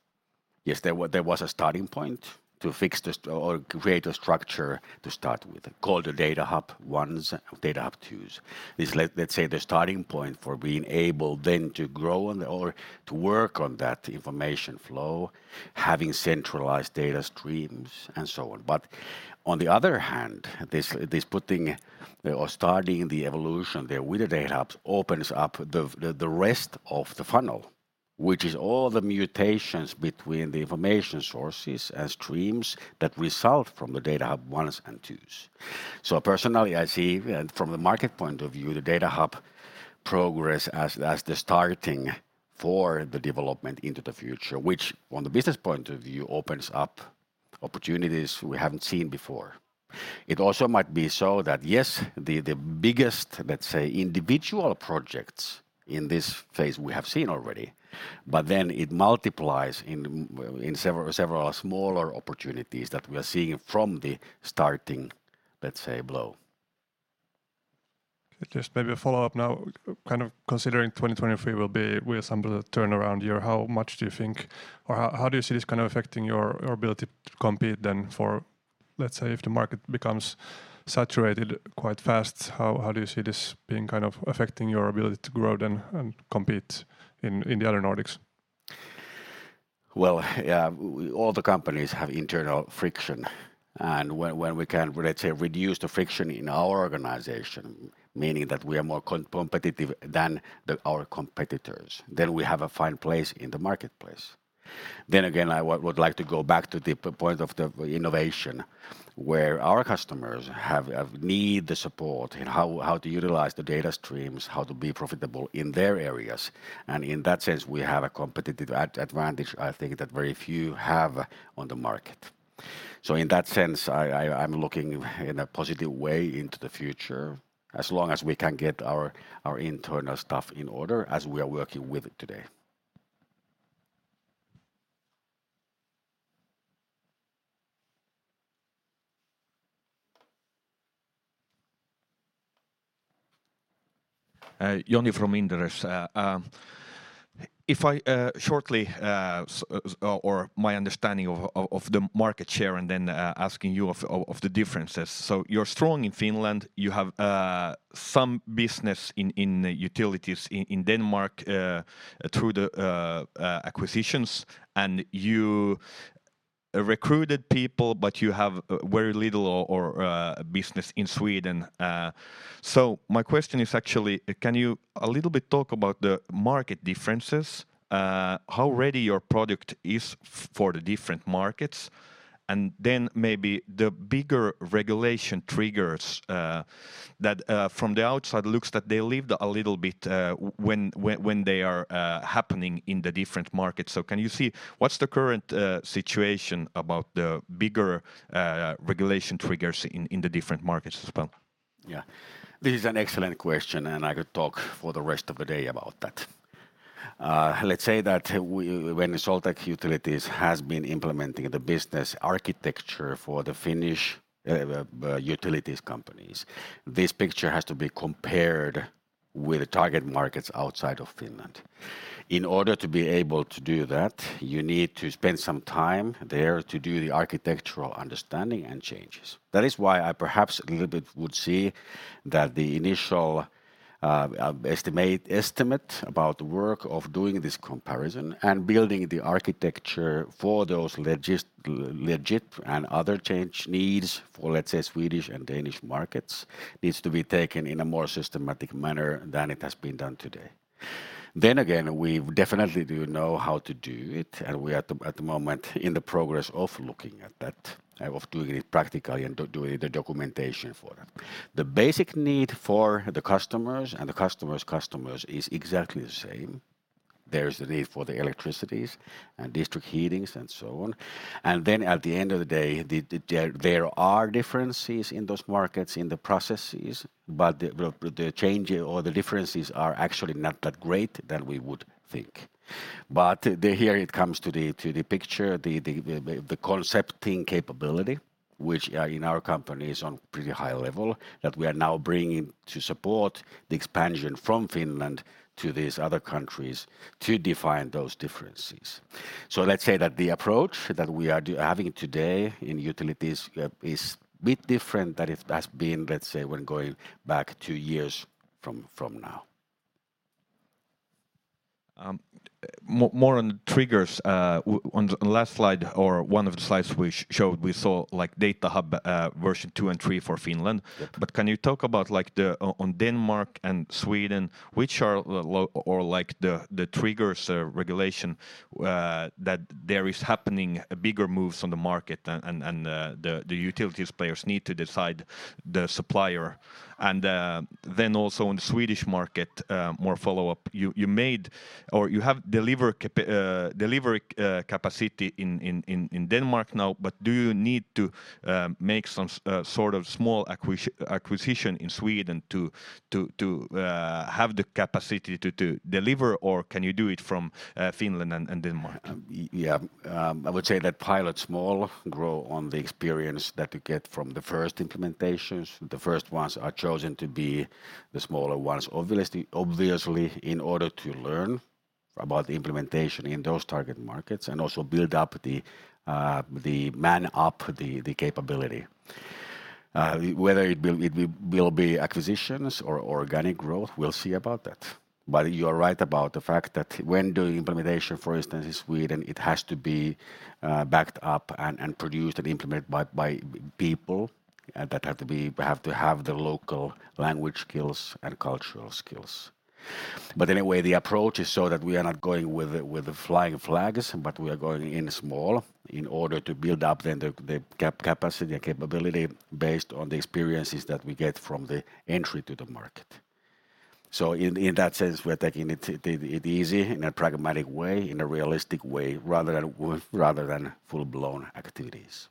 Yes, there was a starting point to fix the or create a structure to start with, call the Datahub 1s, Datahub 2s. It's let's say the starting point for being able then to grow on or to work on that information flow, having centralized data streams and so on. On the other hand, this putting or starting the evolution there with the Datahubs opens up the rest of the funnel, which is all the mutations between the information sources and streams that result from the Datahub 1s and 2s. Personally, I see, and from the market point of view, the Datahub progress as the starting for the development into the future, which on the business point of view opens up opportunities we haven't seen before. It also might be so that, yes, the biggest, let's say, individual projects in this phase we have seen already, but then it multiplies in several smaller opportunities that we are seeing from the starting, let's say, below. Just maybe a follow-up now. Kind of considering 2023 will be, with some of the turnaround year, how much do you think or how do you see this kind of affecting your ability to compete then for, let's say, if the market becomes saturated quite fast, how do you see this being kind of affecting your ability to grow then and compete in the other Nordics? Well, yeah, all the companies have internal friction, and when we can, let's say, reduce the friction in our organization, meaning that we are more competitive than our competitors, then we have a fine place in the marketplace. Again, I would like to go back to the point of the innovation where our customers have need the support in how to utilize the data streams, how to be profitable in their areas. In that sense, we have a competitive advantage I think that very few have on the market. In that sense, I'm looking in a positive way into the future, as long as we can get our internal stuff in order as we are working with it today. Johnny from Inderes. If I shortly my understanding of the market share and then asking you of the differences. You're strong in Finland. You have some business in utilities in Denmark through the acquisitions. Recruited people, but you have very little business in Sweden. My question is actually, can you a little bit talk about the market differences, how ready your product is for the different markets, and then maybe the bigger regulation triggers that from the outside looks that they lived a little bit when they are happening in the different markets? Can you see what's the current situation about the bigger regulation triggers in the different markets as well? Yeah. This is an excellent question, and I could talk for the rest of the day about that. Let's say that when Solteq Utilities has been implementing the business architecture for the Finnish utilities companies, this picture has to be compared with the target markets outside of Finland. In order to be able to do that, you need to spend some time there to do the architectural understanding and changes. That is why I perhaps a little bit would see that the initial estimate about the work of doing this comparison and building the architecture for those legit and other change needs for, let's say, Swedish and Danish markets, needs to be taken in a more systematic manner than it has been done today. Again, we definitely do know how to do it, and we are at the moment in the progress of looking at that, of doing it practically and doing the documentation for it. The basic need for the customers and the customers' customers is exactly the same. There is the need for the electricities and district heatings and so on. Then at the end of the day, the, there are differences in those markets, in the processes, but well, the change or the differences are actually not that great than we would think. The here it comes to the picture, the concepting capability, which in our company is on pretty high level, that we are now bringing to support the expansion from Finland to these other countries to define those differences. Let's say that the approach that we are having today in utilities, is a bit different than it has been, let's say, when going back two years from now. More on triggers, on the last slide or one of the slides we showed, we saw, like, Datahub, version 2 and 3 for Finland. Yes. Can you talk about, like, the, on Denmark and Sweden, which are the or, like, the triggers or regulation that there is happening bigger moves on the market and the utilities players need to decide the supplier? Then also on the Swedish market, more follow-up, you made or you have deliver delivery capacity in Denmark now, but do you need to make some sort of small acquisition in Sweden to have the capacity to deliver, or can you do it from Finland and Denmark? Yeah. I would say that pilot small grow on the experience that you get from the first implementations. The first ones are chosen to be the smaller ones, obviously in order to learn about the implementation in those target markets and also build up the man up the capability. Whether it will be acquisitions or organic growth, we'll see about that. You are right about the fact that when doing implementation, for instance, in Sweden, it has to be backed up and produced and implemented by people that have to have the local language skills and cultural skills. Anyway, the approach is so that we are not going with the flying flags, but we are going in small in order to build up then the capacity and capability based on the experiences that we get from the entry to the market. In that sense, we're taking it easy in a pragmatic way, in a realistic way, rather than full-blown activities.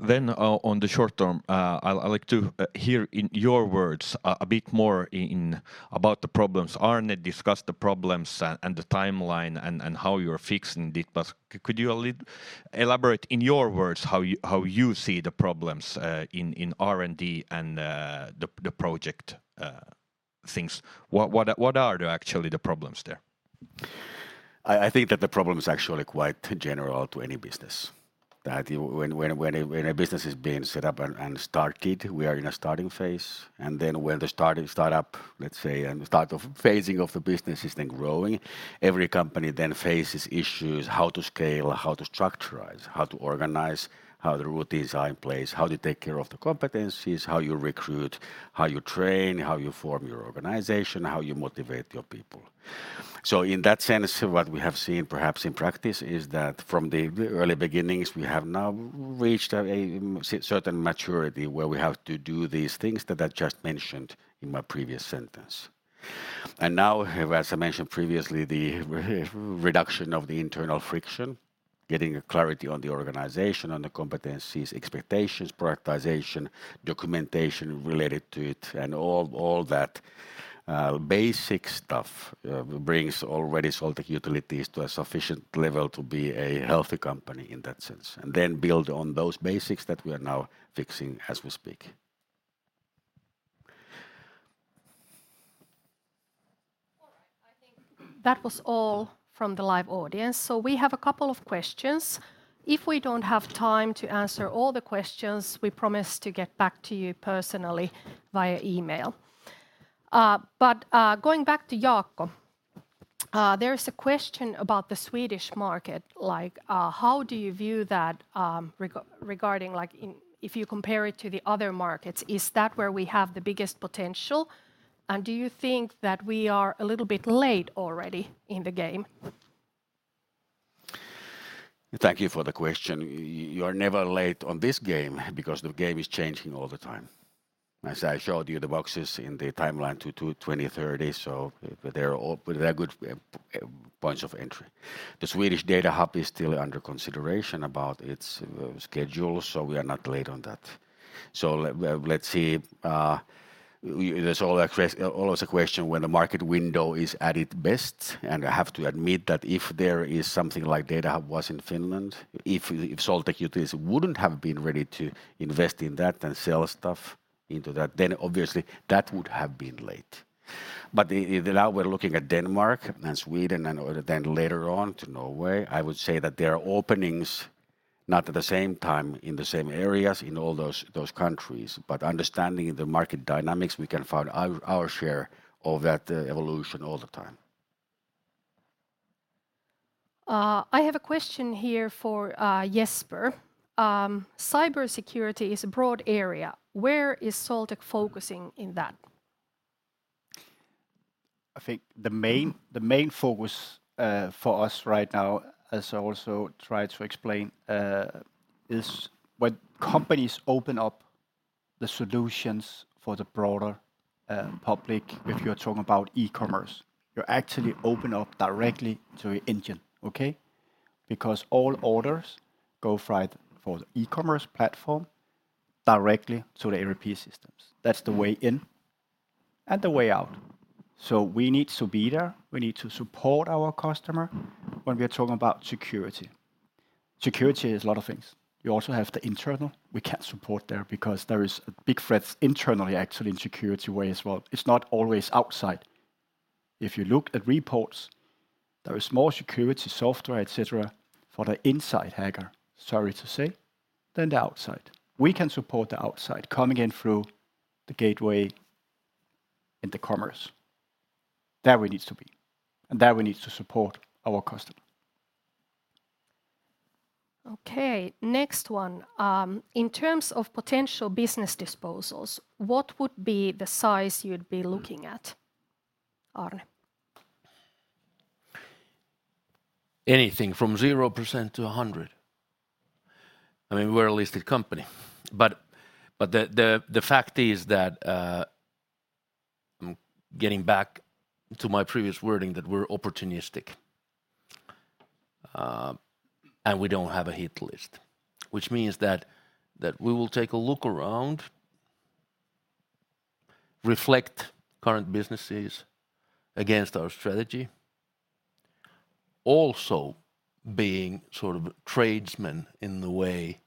Then, on the short term, I'll like to hear in your words a bit more about the problems. Aarne discussed the problems and the timeline and how you are fixing it. Could you elaborate in your words how you see the problems in R&D and the project things? What are actually the problems there? I think that the problem is actually quite general to any business, that when a business is being set up and started, we are in a starting phase, and then when the starting up, let's say, and start of phasing of the business is then growing, every company then faces issues how to scale, how to structurize, how to organize, how the routines are in place, how to take care of the competencies, how you recruit, how you train, how you form your organization, how you motivate your people. In that sense, what we have seen perhaps in practice is that from the early beginnings, we have now reached a certain maturity where we have to do these things that I just mentioned in my previous sentence. Now, as I mentioned previously, the reduction of the internal friction, getting a clarity on the organization, on the competencies, expectations, prioritization, documentation related to it, and all that, basic stuff brings already Solteq Utilities to a sufficient level to be a healthy company in that sense, and then build on those basics that we are now fixing as we speak. All right. I think that was all from the live audience. We have a couple of questions. If we don't have time to answer all the questions, we promise to get back to you personally via email. Going back to Jaakko, there is a question about the Swedish market. Like, how do you view that, regarding like in... if you compare it to the other markets? Is that where we have the biggest potential, and do you think that we are a little bit late already in the game? Thank you for the question. You are never late on this game because the game is changing all the time. As I showed you the boxes in the timeline to 2030, they're all they're good points of entry. The Swedish Datahub is still under consideration about its schedule, we are not late on that. Let's see, we, there's always a question when the market window is at its best. I have to admit that if there is something like Datahub was in Finland, if Solteq Utilities wouldn't have been ready to invest in that and sell stuff into that, then obviously that would have been late. Now we're looking at Denmark and Sweden and, or then later on to Norway. I would say that there are openings, not at the same time in the same areas in all those countries, but understanding the market dynamics, we can find our share of that evolution all the time. I have a question here for Jesper. Cybersecurity is a broad area. Where is Solteq focusing in that? I think the main focus for us right now, as I also tried to explain, is when companies open up the solutions for the broader public, if you're talking about e-commerce, you actually open up directly to your engine, okay? All orders go right for the e-commerce platform directly to the ERP systems. That's the way in and the way out. We need to be there, we need to support our customer when we are talking about security. Security is a lot of things. You also have the internal. We can't support there because there is a big threats internally actually in security way as well. It's not always outside. If you look at reports, there is more security software, et cetera, for the inside hacker, sorry to say, than the outside. We can support the outside coming in through the gateway in the commerce. There we need to be, and there we need to support our customer. Next one. In terms of potential business disposals, what would be the size you'd be looking at, AAarne? Anything from 0% to 100%. I mean, we're a listed company, but the fact is that getting back to my previous wording, that we're opportunistic, and we don't have a hit list, which means that we will take a look around, reflect current businesses against our strategy. Also being sort of tradesmen in the way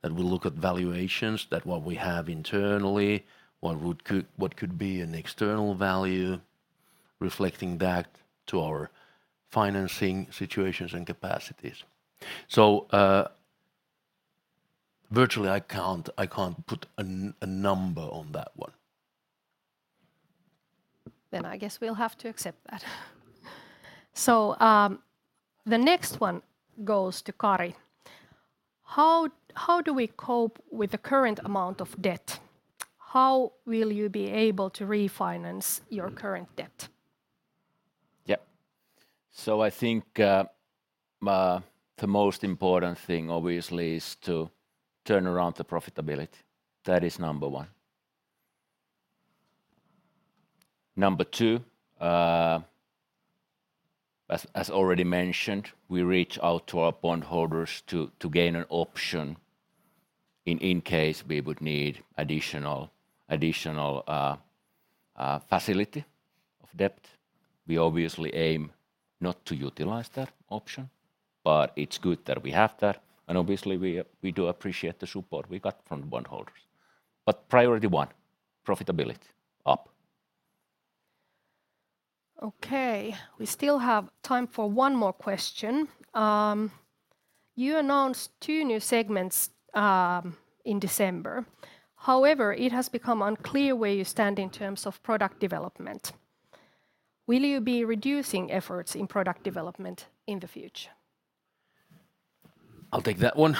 that we look at valuations, that what we have internally, what could be an external value, reflecting that to our financing situations and capacities. virtually, I can't put a number on that one. I guess we'll have to accept that. The next one goes to Kari. How do we cope with the current amount of debt? How will you be able to refinance your current debt? Yep. I think the most important thing obviously is to turn around the profitability. That is number 1. Number 2, as already mentioned, we reach out to our bond holders to gain an option in case we would need additional facility of debt. We obviously aim not to utilize that option, but it's good that we have that, and obviously we do appreciate the support we got from bond holders. Priority 1, profitability up. Okay. We still have time for 1 more question. You announced 2 new segments, in December. However, it has become unclear where you stand in terms of product development. Will you be reducing efforts in product development in the future? I'll take that one.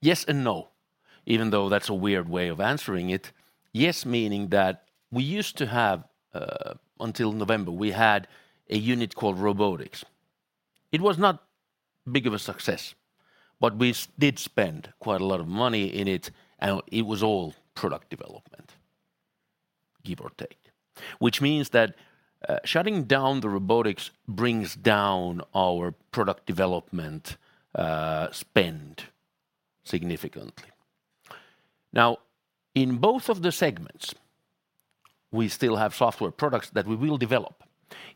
Yes and no, even though that's a weird way of answering it. Yes, meaning that we used to have, until November, we had a unit called Robotics. It was not big of a success, but we did spend quite a lot of money in it, and it was all product development, give or take. Which means that, shutting down the Robotics brings down our product development spend significantly. Now, in both of the segments, we still have software products that we will develop.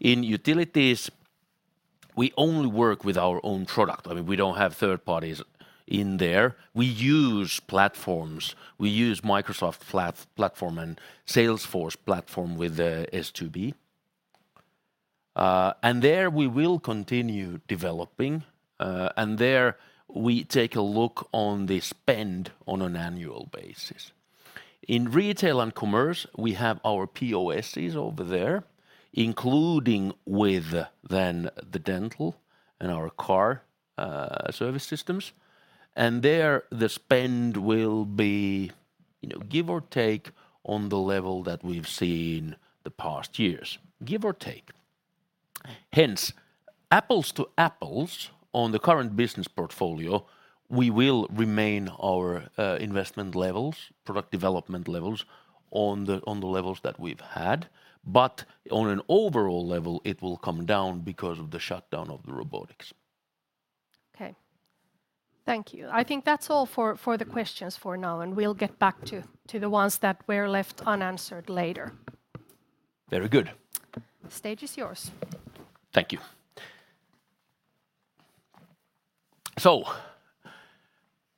In Utilities, we only work with our own product. I mean, we don't have third parties in there. We use platforms. We use Microsoft platform and Salesforce platform with the S2B Energia, and there we will continue developing, and there we take a look on the spend on an annual basis. In retail and commerce, we have our POSs over there, including with then the dental and our car service systems. There, the spend will be, you know, give or take on the level that we've seen the past years. Give or take. Hence, apples to apples on the current business portfolio, we will remain our investment levels, product development levels on the levels that we've had. On an overall level, it will come down because of the shutdown of the robotics. Okay. Thank you. I think that's all for the questions for now, and we'll get back to the ones that were left unanswered later. Very good. The stage is yours. Thank you.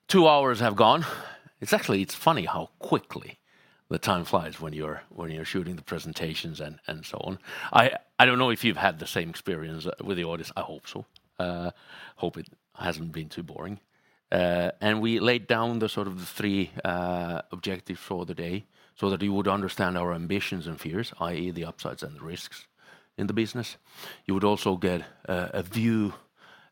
2 hours have gone. It's actually, it's funny how quickly the time flies when you're shooting the presentations and so on. I don't know if you've had the same experience with the audience. I hope so. Hope it hasn't been too boring. We laid down the sort of the 3 objectives for the day so that you would understand our ambitions and fears, i.e., the upsides and the risks in the business. You would also get a view,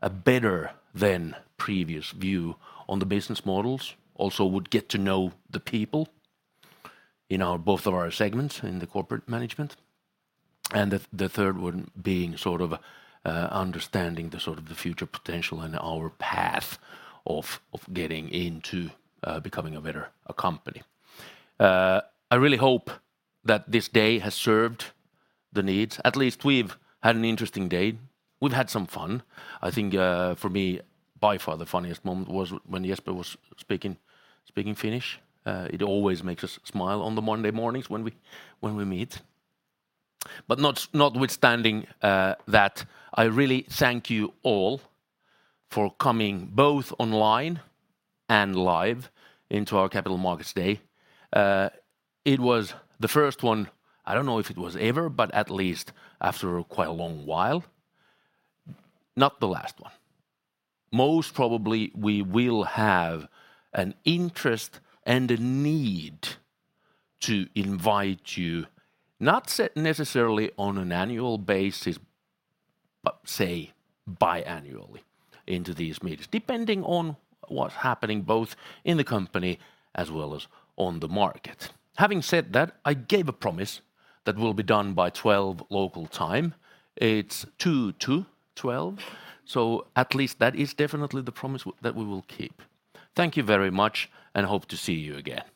a better than previous view on the business models. Also would get to know the people in our, both of our segments in the corporate management. The third one being sort of understanding the sort of the future potential and our path of getting into becoming a better company. I really hope that this day has served the needs. At least we've had an interesting day. We've had some fun. I think for me, by far the funniest moment was when Jesper was speaking Finnish. It always makes us smile on the Monday mornings when we, when we meet. Notwithstanding that, I really thank you all for coming both online and live into our Capital Markets Day. It was the first one, I don't know if it was ever, but at least after quite a long while. Not the last one. Most probably we will have an interest and a need to invite you, not necessarily on an annual basis, but say biannually into these meetings, depending on what's happening both in the company as well as on the market. Having said that, I gave a promise that we'll be done by 12 local time. It's two to 12, at least that is definitely the promise that we will keep. Thank you very much and hope to see you again.